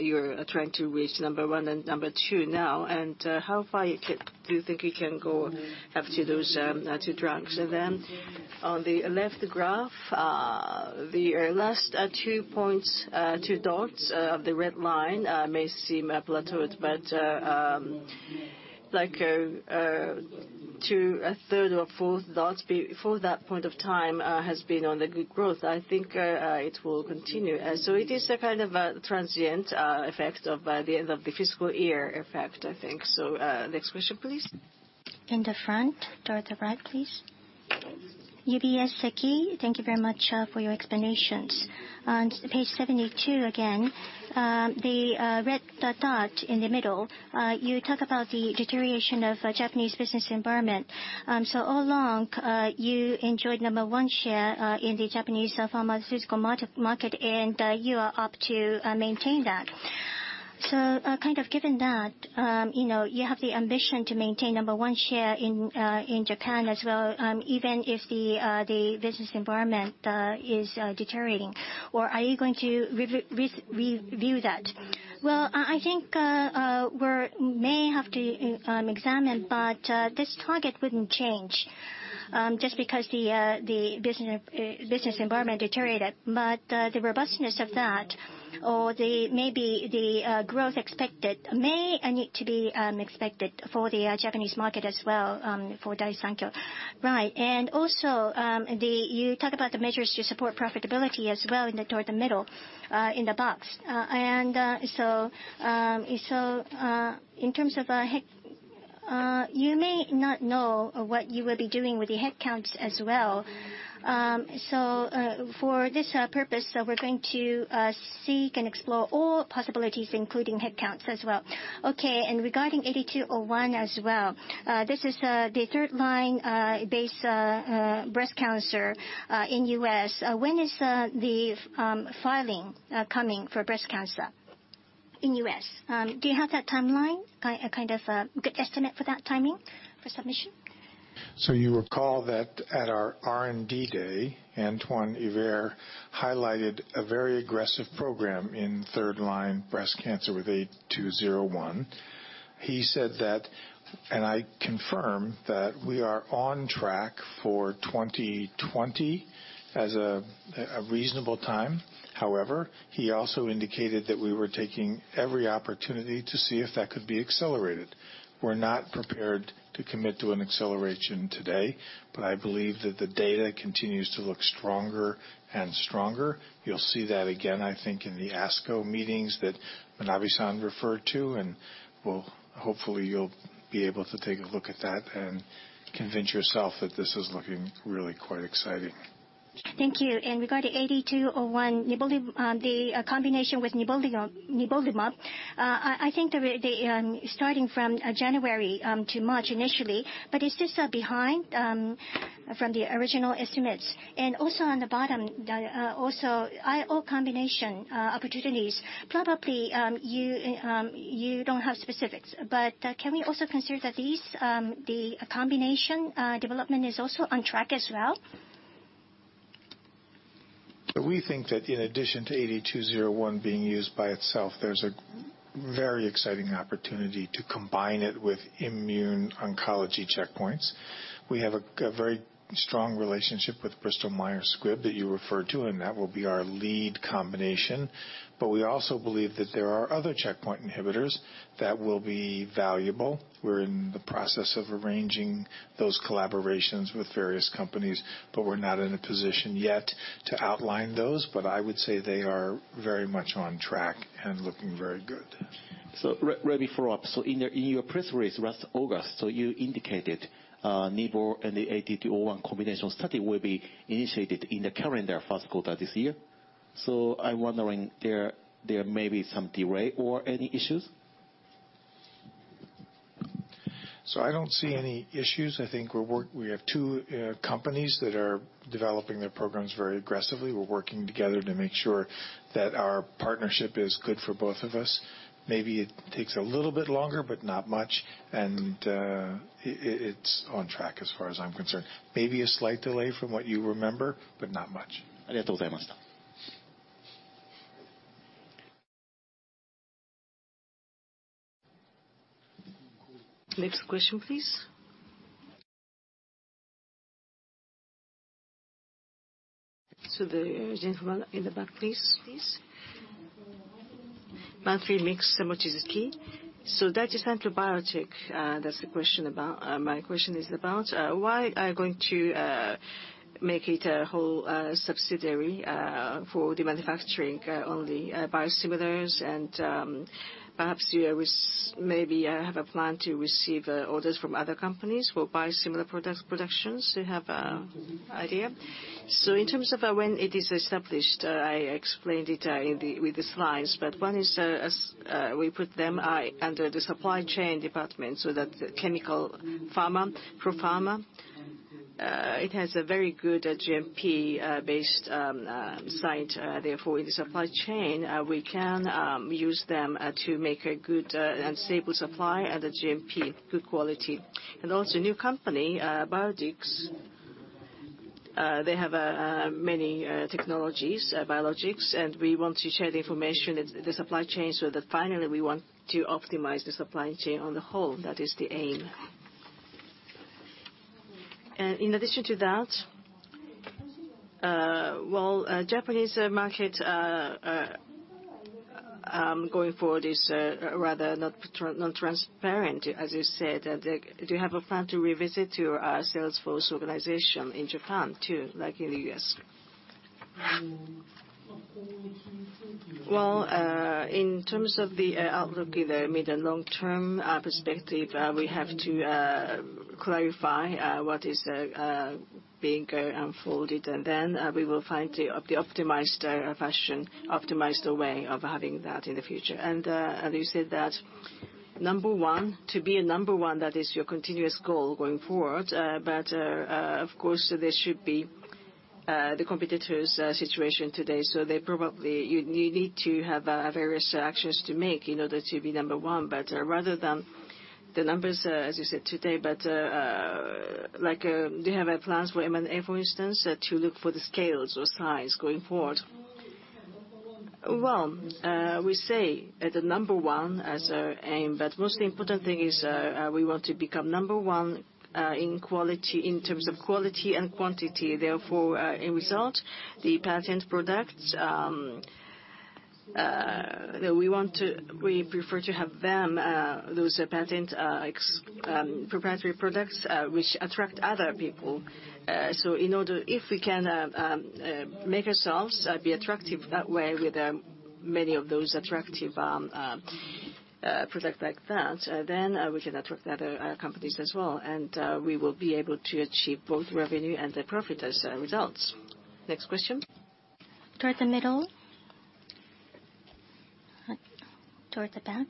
You're trying to reach number one and number two now. How far do you think you can go up to those two drugs? On the left graph, the last two points, two dots of the red line may seem plateaued, but two, a third or fourth dots before that point of time has been on the good growth. I think it will continue. It is a kind of a transient effect of the end of the fiscal year effect, I think. Next question, please. In the front, toward the right, please. UBS, Seki. Thank you very much for your explanations. On page 72 again, the red dot in the middle, you talk about the deterioration of Japanese business environment. All along, you enjoyed number one share in the Japanese pharmaceutical market, you are up to maintain that. Given that you have the ambition to maintain number one share in Japan as well, even if the business environment is deteriorating, or are you going to review that? I think we may have to examine, but this target wouldn't change just because the business environment deteriorated. The robustness of that, or maybe the growth expected may need to be expected for the Japanese market as well for Daiichi Sankyo. Right. Also, you talk about the measures to support profitability as well toward the middle in the box. In terms of headcounts. You may not know what you will be doing with the headcounts as well. For this purpose, we're going to seek and explore all possibilities, including headcounts as well. Okay. Regarding DS-8201 as well, this is the third-line base breast cancer in the U.S. When is the filing coming for breast cancer in the U.S.? Do you have that timeline, a kind of good estimate for that timing for submission? You recall that at our R&D day, Antoine Yver highlighted a very aggressive program in third-line breast cancer with DS-8201. He said that, and I confirm, that we are on track for 2020 as a reasonable time. However, he also indicated that we were taking every opportunity to see if that could be accelerated. We're not prepared to commit to an acceleration today, but I believe that the data continues to look stronger and stronger. You'll see that again, I think, in the ASCO meetings that Manabe-san referred to, and hopefully, you'll be able to take a look at that and convince yourself that this is looking really quite exciting. Thank you. Regarding DS-8201, the combination with nivolumab, I think starting from January to March initially, but is this behind from the original estimates? Also on the bottom, also IO combination opportunities. Probably you don't have specifics, but can we also consider that the combination development is also on track as well? We think that in addition to DS-8201 being used by itself, there's a very exciting opportunity to combine it with immune oncology checkpoints. We have a very strong relationship with Bristol Myers Squibb that you referred to, and that will be our lead combination. We also believe that there are other checkpoint inhibitors that will be valuable. We're in the process of arranging those collaborations with various companies, we're not in a position yet to outline those. I would say they are very much on track and looking very good. Let me follow up. In your press release last August, you indicated nivo and the DS-8201 combination study will be initiated in the calendar first quarter this year. I'm wondering if there may be some delay or any issues. I don't see any issues. I think we have two companies that are developing their programs very aggressively. We're working together to make sure that our partnership is good for both of us. Maybe it takes a little bit longer, but not much. It's on track as far as I'm concerned. Maybe a slight delay from what you remember, but not much. Next question, please. The gentleman in the back please. Mitsubishi UFJ Morgan Stanley Securities. Daiichi Sankyo Biotech, that's my question is about why are you going to make it a whole subsidiary for the manufacturing only biosimilars and perhaps maybe have a plan to receive orders from other companies for biosimilar productions? Do you have an idea? In terms of when it is established, I explained it with the slides, but one is we put them under the supply chain department so that chemical pharma, ProPharma It has a very good GMP-based site. Therefore, in the supply chain, we can use them to make a good and stable supply at a GMP good quality. Also, new company, Biologics, they have many technologies, Biologics, and we want to share the information and the supply chain so that finally we want to optimize the supply chain on the whole. That is the aim. In addition to that, while Japanese market going forward is rather non-transparent, as you said, do you have a plan to revisit your sales force organization in Japan too, like in the U.S.? In terms of the outlook, the mid- and long-term perspective, we have to clarify what is being unfolded, we will find the optimized fashion, optimized way of having that in the future. You said that to be a number one, that is your continuous goal going forward. Of course, there should be the competitors' situation today. Probably, you need to have various actions to make in order to be number one. Rather than the numbers, as you said today, do you have plans for M&A, for instance, to look for the scales or size going forward? We say the number one as our aim, but the most important thing is we want to become number one in terms of quality and quantity. Therefore, in result, the patent products, we prefer to have them, those patent proprietary products which attract other people. If we can make ourselves be attractive that way with many of those attractive products like that, we can attract other companies as well, and we will be able to achieve both revenue and profit as results. Next question. Toward the middle. Toward the back.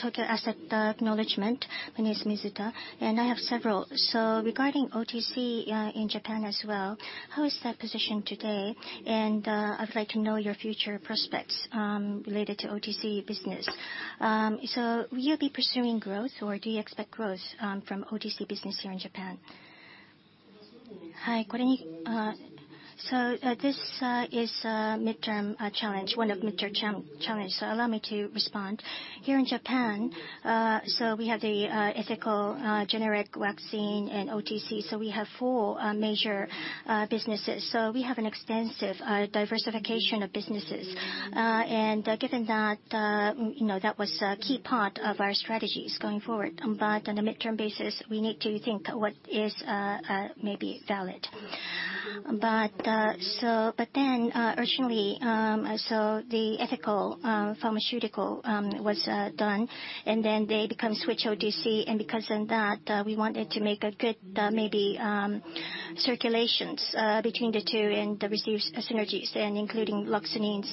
Tokio Marine Asset Management, my name is Mizuta, I have several. Regarding OTC in Japan as well, how is that positioned today? I'd like to know your future prospects related to OTC business. Will you be pursuing growth, or do you expect growth from OTC business here in Japan? This is one of midterm challenges. Allow me to respond. Here in Japan, we have the ethical generic vaccine and OTC, we have four major businesses. We have an extensive diversification of businesses. Given that was a key part of our strategies going forward. On a midterm basis, we need to think what is maybe valid. The ethical pharmaceutical was done, and then they become switch OTC, and because of that, we wanted to make good circulations between the two and receive synergies, including Loxonin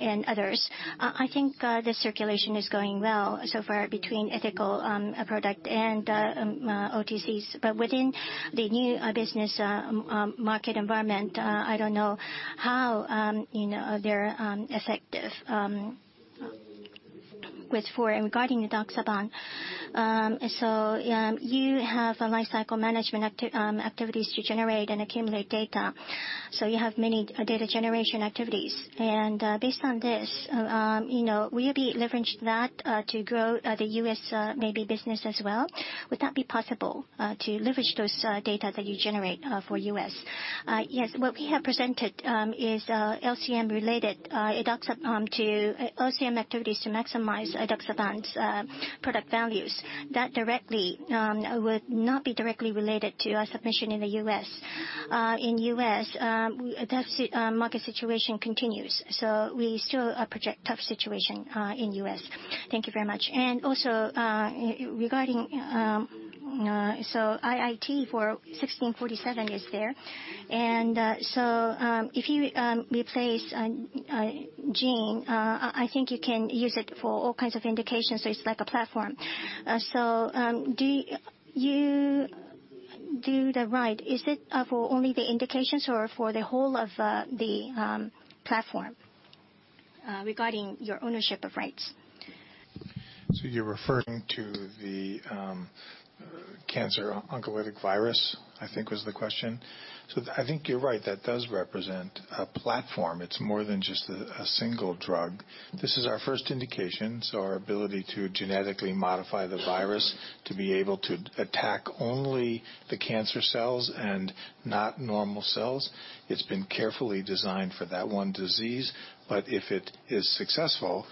and others. I think the circulation is going well so far between ethical product and OTCs. Within the new business market environment, I don't know how they're effective with four. Regarding the edoxaban, you have lifecycle management activities to generate and accumulate data. You have many data generation activities. Based on this, will you leverage that to grow the U.S. business as well? Would that be possible to leverage those data that you generate for U.S.? Yes. What we have presented is LCM-related to LCM activities to maximize edoxaban's product values. That would not be directly related to our submission in the U.S. In U.S., deficit market situation continues. We still project tough situation in U.S. Thank you very much. Regarding IIT for DS-1647 is there. If you replace a gene, I think you can use it for all kinds of indications, so it's like a platform. Do you do the right? Is it for only the indications or for the whole of the platform regarding your ownership of rights? You're referring to the cancer oncolytic virus, I think was the question. I think you're right, that does represent a platform. It's more than just a single drug. This is our first indication, so our ability to genetically modify the virus to be able to attack only the cancer cells and not normal cells. It's been carefully designed for that one disease. If it is successful,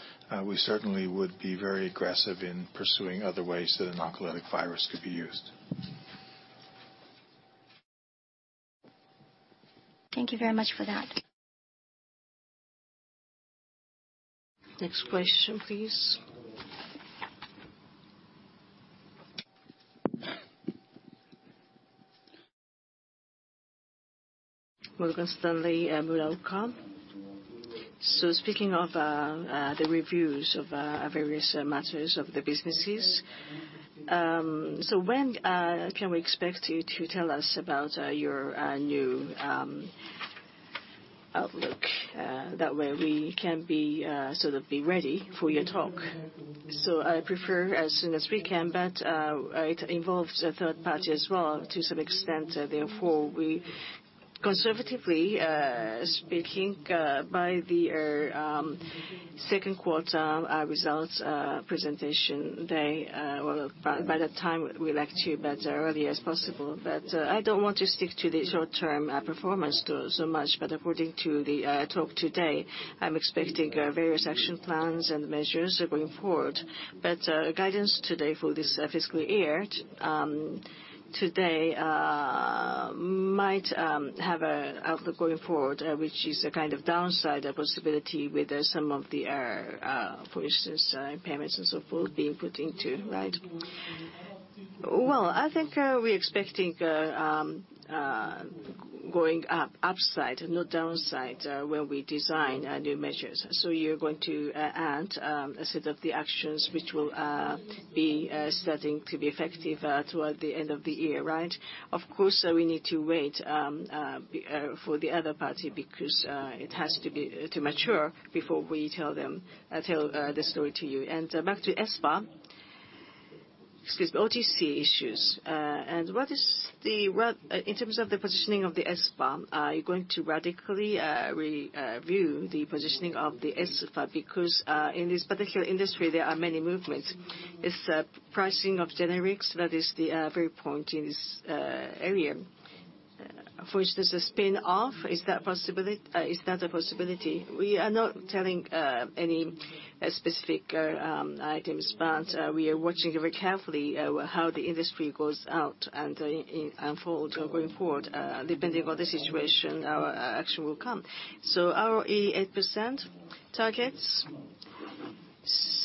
we certainly would be very aggressive in pursuing other ways that an oncolytic virus could be used. Thank you very much for that. Next question, please. Will come. Speaking of the reviews of various matters of the businesses, when can we expect you to tell us about your new outlook? That way we can be ready for your talk. I prefer as soon as we can, but it involves a third party as well to some extent. Therefore, we conservatively speaking, by the second quarter results presentation day or by that time, we'd like to, but early as possible. I don't want to stick to the short-term performance so much. According to the talk today, I'm expecting various action plans and measures going forward. Guidance today for this fiscal year, today might have an outlook going forward, which is a kind of downside possibility with some of the, for instance, payments and so forth being put into, right? Well, I think we expect going up, upside, not downside, when we design new measures. You're going to add a set of the actions which will be starting to be effective toward the end of the year, right? Of course, we need to wait for the other party because it has to mature before we tell the story to you. Back to Espha, excuse me, OTC issues. In terms of the positioning of the Espha, are you going to radically review the positioning of the Espha? Because in this particular industry, there are many movements. It's pricing of generics, that is the very point in this area. For instance, a spin-off, is that a possibility? We are not telling any specific items, but we are watching very carefully how the industry goes out and unfolds going forward. Depending on the situation, our action will come. ROE 8% targets.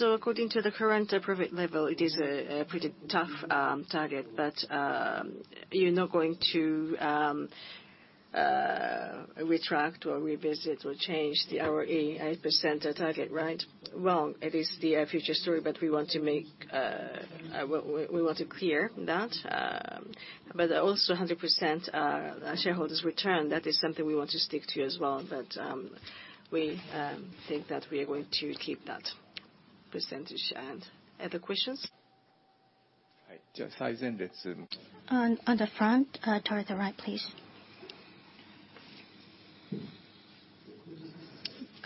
According to the current profit level, it is a pretty tough target, you're not going to retract or revisit or change the ROE 8% target, right? Wrong. It is the future story, we want to clear that. Also 100% shareholders return. That is something we want to stick to as well. We think that we are going to keep that percentage. Other questions? Right. On the front, toward the right, please.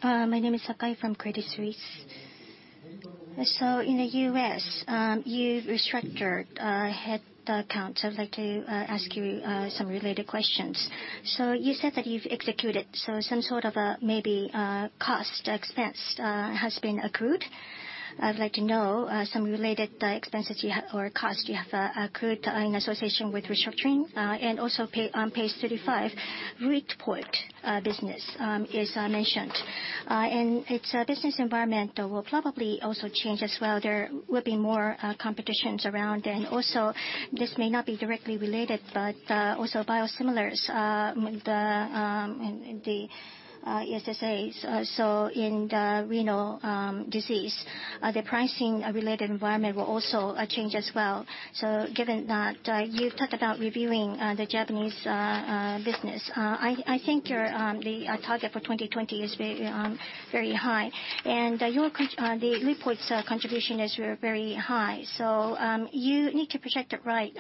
My name is Sakai from Credit Suisse. In the U.S., you've restructured head count. I'd like to ask you some related questions. You said that you've executed, some sort of maybe cost or expense has been accrued. I'd like to know some related expenses or cost you have accrued in association with restructuring. Also on page 35, business is mentioned. Its business environment will probably also change as well. There will be more competitions around. Also, this may not be directly related, but also biosimilars, the ESAs. In the renal disease, the pricing-related environment will also change as well. Given that you've talked about reviewing the Japanese business, I think the target for 2020 is very high. The contribution is very high. You need to project it right,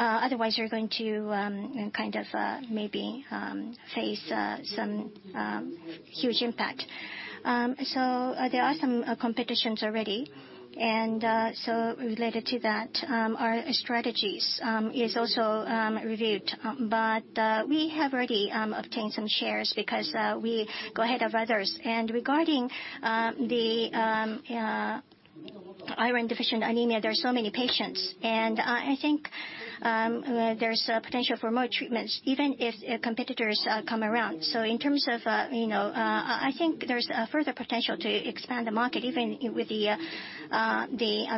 otherwise you're going to maybe face some huge impact. There are some competitions already and related to that, our strategies is also reviewed. We have already obtained some shares because we go ahead of others. Regarding the iron deficiency anemia, there are so many patients and I think there's potential for more treatments even if competitors come around. In terms of, I think there's further potential to expand the market even with the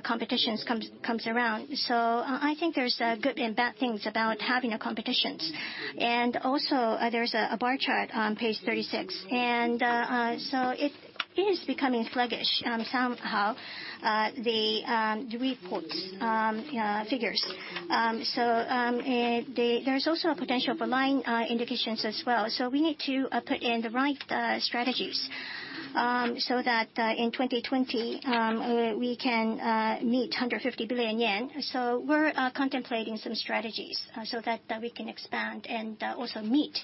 competitions comes around. I think there's good and bad things about having a competitions. There's a bar chart on page 36. It is becoming sluggish somehow, the reported figures. There is also a potential for line indications as well. We need to put in the right strategies so that in 2020, we can meet 150 billion yen. We're contemplating some strategies so that we can expand and also meet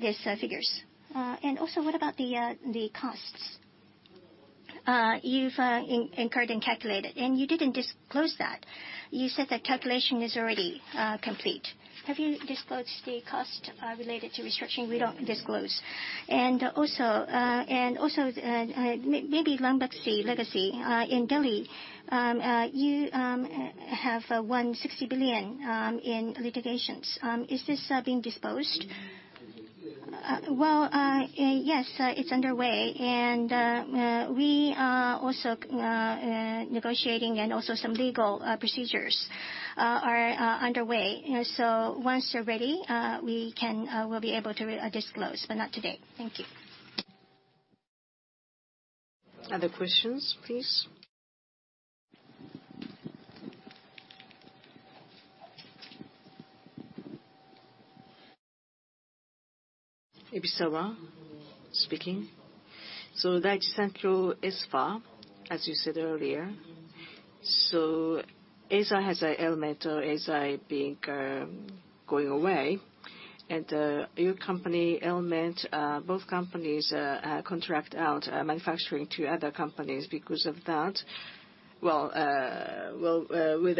these figures. What about the costs you've incurred and calculated? You didn't disclose that. You said that calculation is already complete. Have you disclosed the cost related to restructuring? We don't disclose. Maybe Ranbaxy legacy in Delhi. You have won 60 billion in litigations. Is this being disposed? Yes, it's underway. We are also negotiating and some legal procedures are underway. Once they're ready, we'll be able to disclose, but not today. Thank you. Other questions, please. Ebisawa speaking. Daiichi Sankyo Espha, as you said earlier. ASCA has an element of ASCA going away. Your company element, both companies contract out manufacturing to other companies because of that. With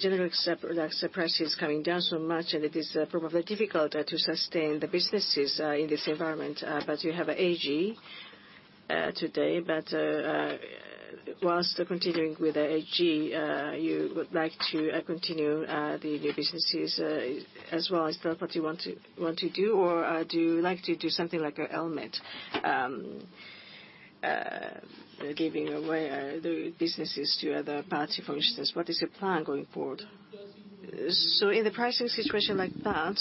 generic substitution prices coming down so much, it is probably difficult to sustain the businesses in this environment. You have AG today. Whilst continuing with AG, you would like to continue the new businesses as well. Is that what you want to do? Do you like to do something like an element, giving away the businesses to other party, for instance? What is your plan going forward? In the pricing situation like that,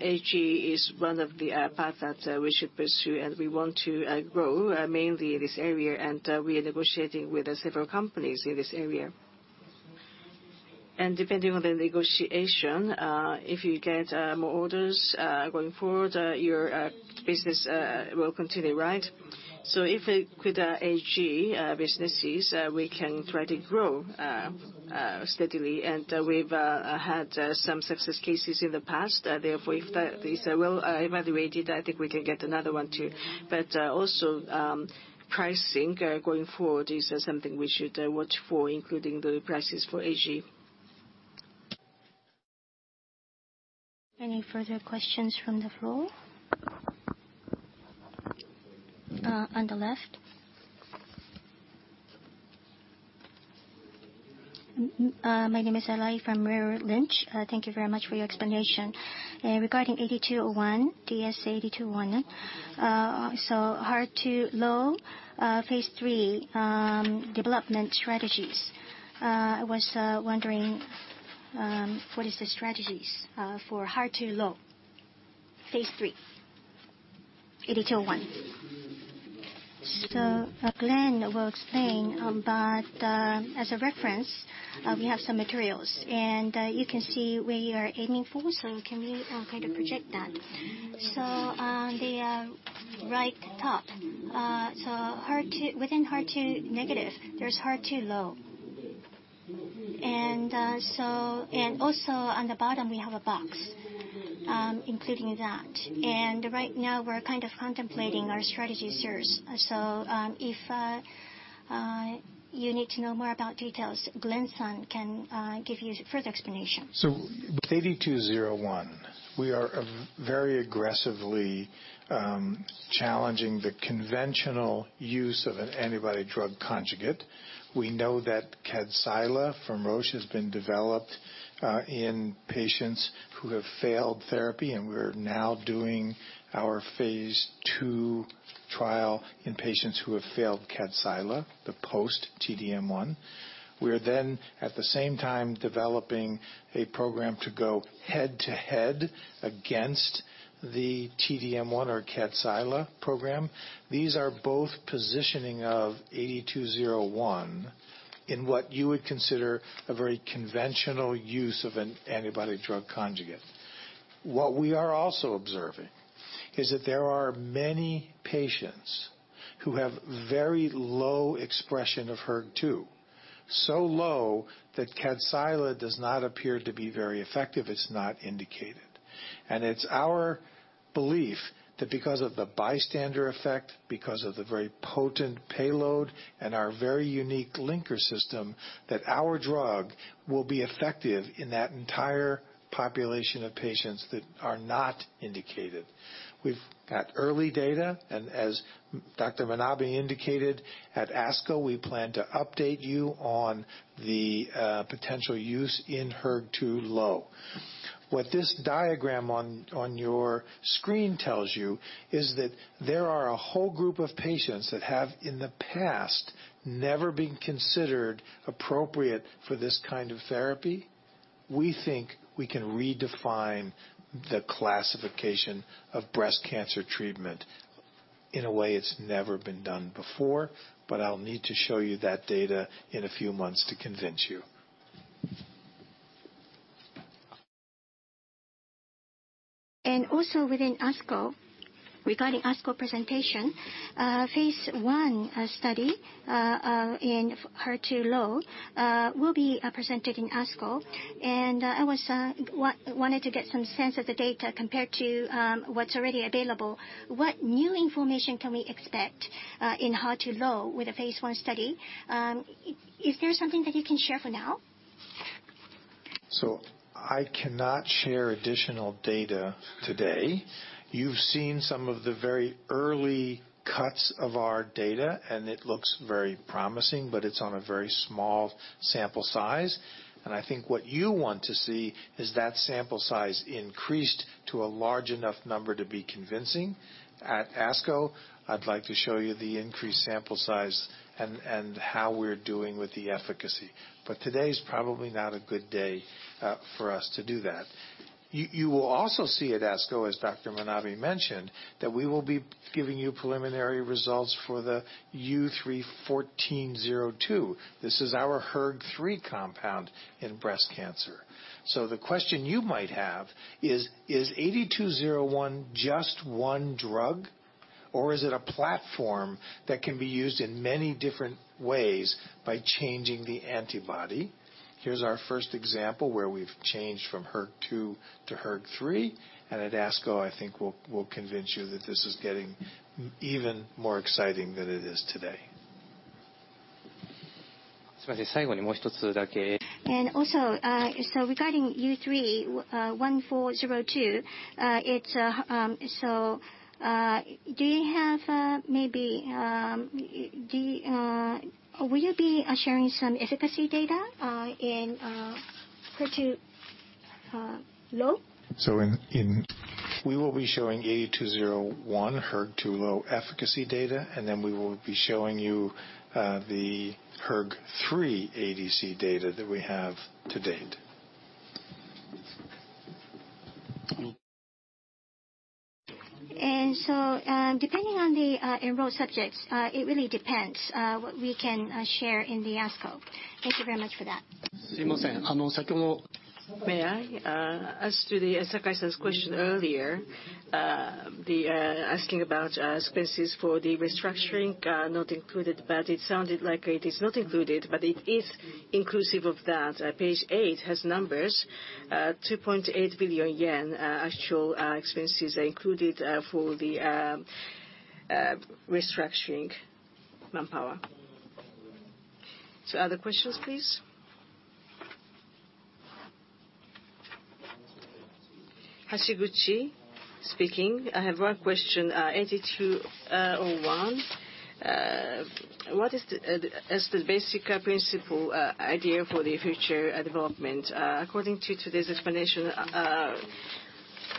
AG is one of the paths that we should pursue, and we want to grow mainly in this area. We are negotiating with several companies in this area. Depending on the negotiation, if you get more orders going forward, your business will continue, right? If with AG businesses, we can try to grow steadily. We've had some success cases in the past. Therefore, if that is well evaluated, I think we can get another one, too. Also, pricing going forward is something we should watch for, including the prices for AG. Any further questions from the floor? On the left. My name is Arai from Merrill Lynch. Thank you very much for your explanation. Regarding DS-8201, DS-8201, HER2-low phase III development strategies. I was wondering, what is the strategies for HER2-low phase III DS-8201? Glenn will explain, but as a reference, we have some materials. You can see where you are aiming for, can we kind of project that. On the right top. Within HER2 negative, there's HER2-low. Also on the bottom, we have a box including that. Right now, we're kind of contemplating our strategy, sir. If you need to know more about details, Glenn-san can give you further explanation. With AD201, we are very aggressively challenging the conventional use of an antibody drug conjugate. We know that KADCYLA from Roche has been developed in patients who have failed therapy, and we're now doing our phase II trial in patients who have failed KADCYLA, the post-T-DM1. We're then, at the same time, developing a program to go head-to-head against the T-DM1 or KADCYLA program. These are both positioning of AD201 in what you would consider a very conventional use of an antibody drug conjugate. What we are also observing is that there are many patients who have very low expression of HER2, so low that KADCYLA does not appear to be very effective. It's not indicated. It's our belief that because of the bystander effect, because of the very potent payload, and our very unique linker system, that our drug will be effective in that entire population of patients that are not indicated. We've got early data, and as Dr. Manabe indicated at ASCO, we plan to update you on the potential use in HER2-low. What this diagram on your screen tells you is that there are a whole group of patients that have, in the past, never been considered appropriate for this kind of therapy. We think we can redefine the classification of breast cancer treatment in a way it's never been done before. I'll need to show you that data in a few months to convince you. Also within ASCO, regarding ASCO presentation, phase I study in HER2-low will be presented in ASCO. I wanted to get some sense of the data compared to what's already available. What new information can we expect in HER2-low with the phase I study? Is there something that you can share for now? I cannot share additional data today. You've seen some of the very early cuts of our data. It looks very promising, but it's on a very small sample size. I think what you want to see is that sample size increased to a large enough number to be convincing. At ASCO, I'd like to show you the increased sample size and how we're doing with the efficacy. Today is probably not a good day for us to do that. You will also see at ASCO, as Dr. Manabe mentioned, that we will be giving you preliminary results for the U3-1402. This is our HER3 compound in breast cancer. The question you might have is 8201 just one drug, or is it a platform that can be used in many different ways by changing the antibody? Here's our first example where we've changed from HER2 to HER3. At ASCO, I think we'll convince you that this is getting even more exciting than it is today. Also, regarding U3-1402, will you be sharing some efficacy data in HER2 low? We will be showing 8201 HER2 low efficacy data. Then we will be showing you the HER3 ADC data that we have to date. So depending on the enrolled subjects it really depends what we can share in the ASCO. Thank you very much for that. May I? As to Sakai-san's question earlier asking about expenses for the restructuring not included. It sounded like it is not included, but it is inclusive of that. Page eight has numbers. 2.8 billion yen actual expenses are included for the restructuring manpower. Other questions, please. Hashiguchi speaking. I have one question. DS-8201. What is the basic principle idea for the future development? According to today's explanation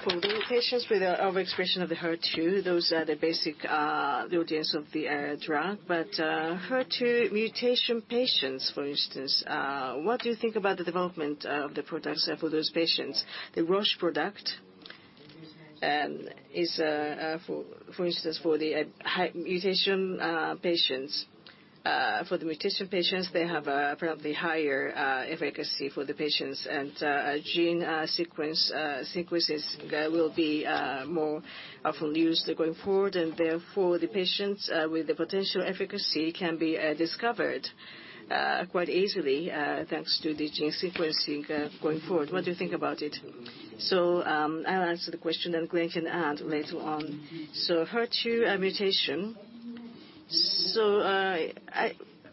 for the patients with the overexpression of the HER2, those are the basic audience of the drug. HER2 mutation patients, for instance, what do you think about the development of the products for those patients? The Roche product is, for instance, for the mutation patients. For the mutation patients they have apparently higher efficacy for the patients. Gene sequences will be more often used going forward, and therefore the patients with the potential efficacy can be discovered quite easily thanks to the gene sequencing going forward. What do you think about it? I'll answer the question, and Glenn can add later on. HER2 mutation.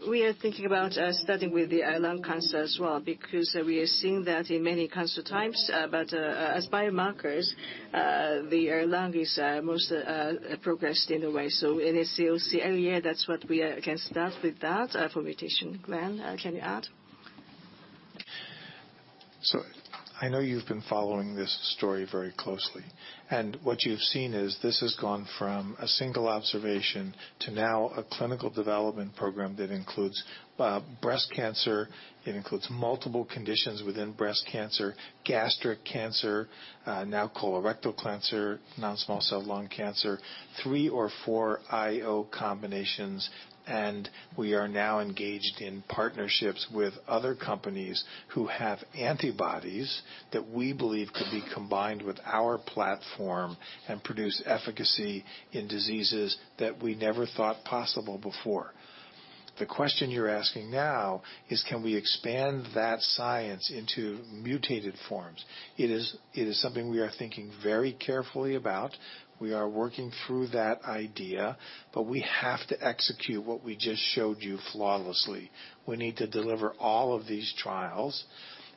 We are thinking about starting with the lung cancer as well because we are seeing that in many cancer types. But as biomarkers the lung is most progressed in a way. NSCLC area, that's what we can start with that for mutation. Glenn, can you add? I know you've been following this story very closely. What you've seen is this has gone from a single observation to now a clinical development program that includes breast cancer, it includes multiple conditions within breast cancer, gastric cancer, now colorectal cancer, non-small cell lung cancer, three or four IO combinations. We are now engaged in partnerships with other companies who have antibodies that we believe could be combined with our platform and produce efficacy in diseases that we never thought possible before. The question you're asking now is can we expand that science into mutated forms? It is something we are thinking very carefully about. We are working through that idea. But we have to execute what we just showed you flawlessly. We need to deliver all of these trials.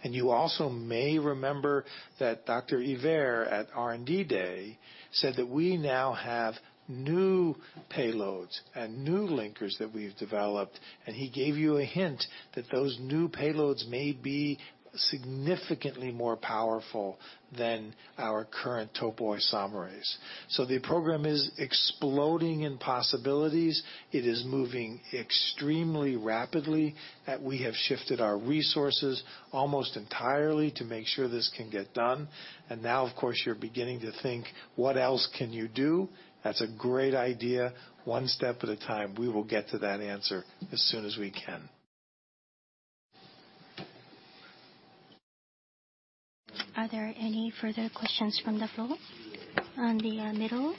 You also may remember that Dr. Yver at R&D Day said that we now have new payloads and new linkers that we've developed. He gave you a hint that those new payloads may be significantly more powerful than our current topoisomerase. The program is exploding in possibilities. It is moving extremely rapidly. We have shifted our resources almost entirely to make sure this can get done. Now, of course, you're beginning to think, what else can you do? That's a great idea. One step at a time. We will get to that answer as soon as we can. Are there any further questions from the floor? On the middle.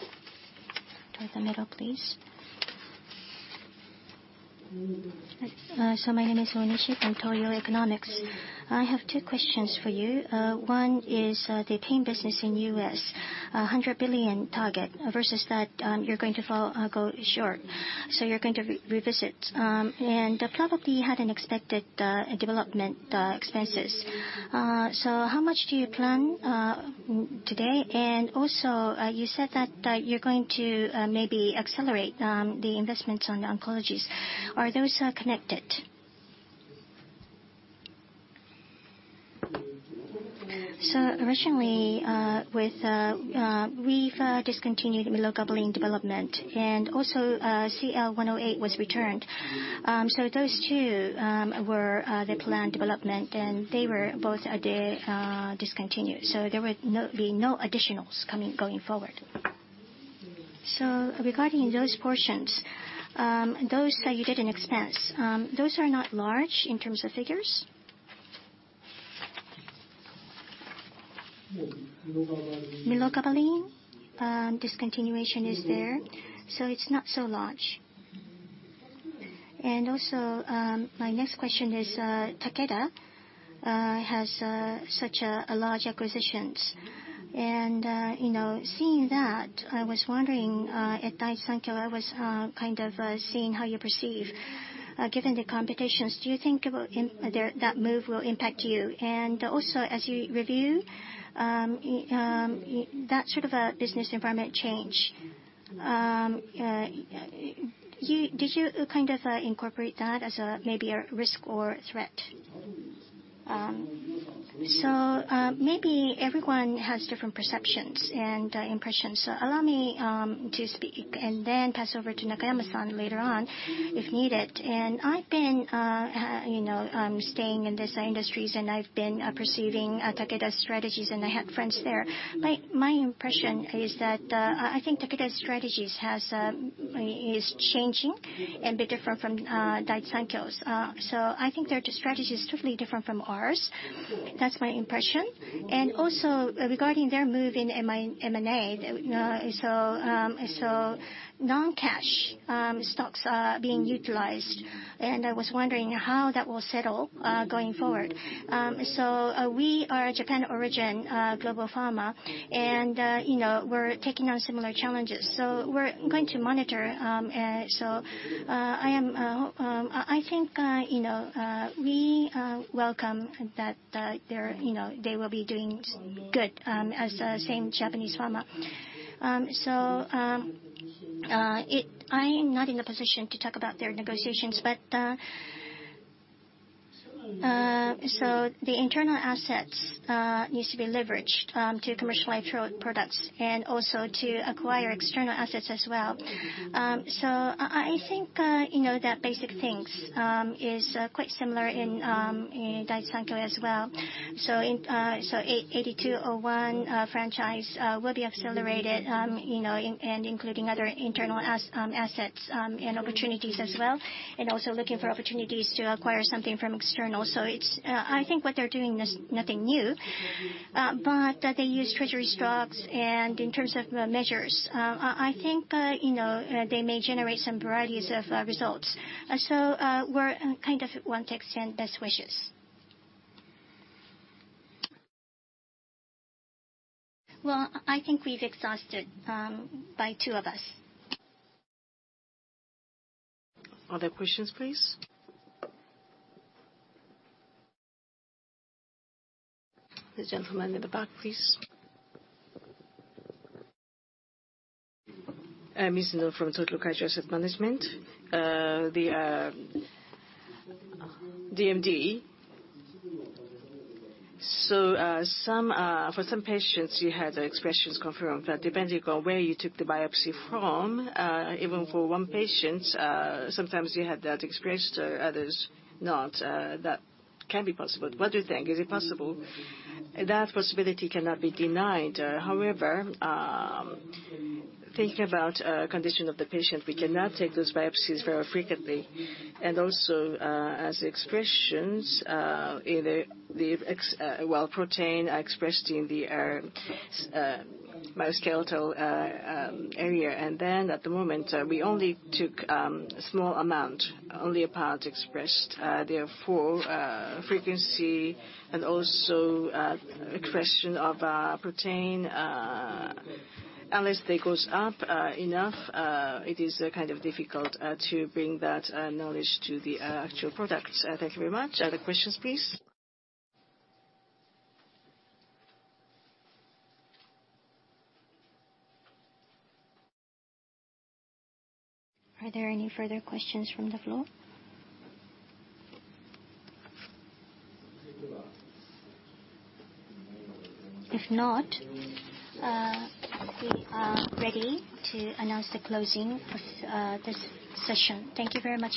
Toward the middle, please. My name is Onishi from Okasan Securities. I have two questions for you. One is the pain business in U.S., 100 billion target versus that you're going to go short, you're going to revisit. Probably you had unexpected development expenses. How much do you plan today? You said that you're going to maybe accelerate the investments on the oncologies. Are those connected? Originally, we've discontinued mirogabalin development, and CL-108 was returned. Those two were the planned development, and they were both discontinued. There will be no additionals going forward. Regarding those portions, those that you did an expense, those are not large in terms of figures. Mirogabalin discontinuation is there, it's not so large. My next question is, Takeda has such large acquisitions. Seeing that, I was wondering at Daiichi Sankyo, I was kind of seeing how you perceive. Given the competitions, do you think that move will impact you? As you review that sort of a business environment change, did you kind of incorporate that as maybe a risk or threat? Maybe everyone has different perceptions and impressions. Allow me to speak and then pass over to Nagamasa-san later on if needed. I've been staying in these industries, and I've been perceiving Takeda's strategies, and I have friends there. My impression is that I think Takeda's strategies is changing and be different from Daiichi Sankyo's. I think their strategy is totally different from ours. That's my impression. Regarding their move in M&A, non-cash stocks are being utilized, and I was wondering how that will settle going forward. We are a Japan-origin global pharma, and we're taking on similar challenges. We're going to monitor. I think we welcome that they will be doing good as the same Japanese pharma. I'm not in the position to talk about their negotiations, but the internal assets needs to be leveraged to commercialize products and also to acquire external assets as well. I think that basic things is quite similar in Daiichi Sankyo as well. 8201 franchise will be accelerated, and including other internal assets and opportunities as well, and also looking for opportunities to acquire something from external. I think what they're doing is nothing new. They use treasury stocks, and in terms of measures, I think they may generate some varieties of results. We kind of want to extend best wishes. I think we've exhausted by two of us. Other questions, please. The gentleman in the back, please. Mizuno from Tokio Marine Asset Management. The DMD. For some patients, you had the expressions confirmed that depending on where you took the biopsy from, even for one patient, sometimes you had that expressed, others not. That can be possible. What do you think? Is it possible? That possibility cannot be denied. However, thinking about condition of the patient, we cannot take those biopsies very frequently. As expressions, either the protein expressed in the musculoskeletal area. At the moment, we only took a small amount, only a part expressed, therefore frequency and also expression of protein. Unless they goes up enough, it is kind of difficult to bring that knowledge to the actual product. Thank you very much. Other questions, please. Are there any further questions from the floor? If not, we are ready to announce the closing of this session. Thank you very much.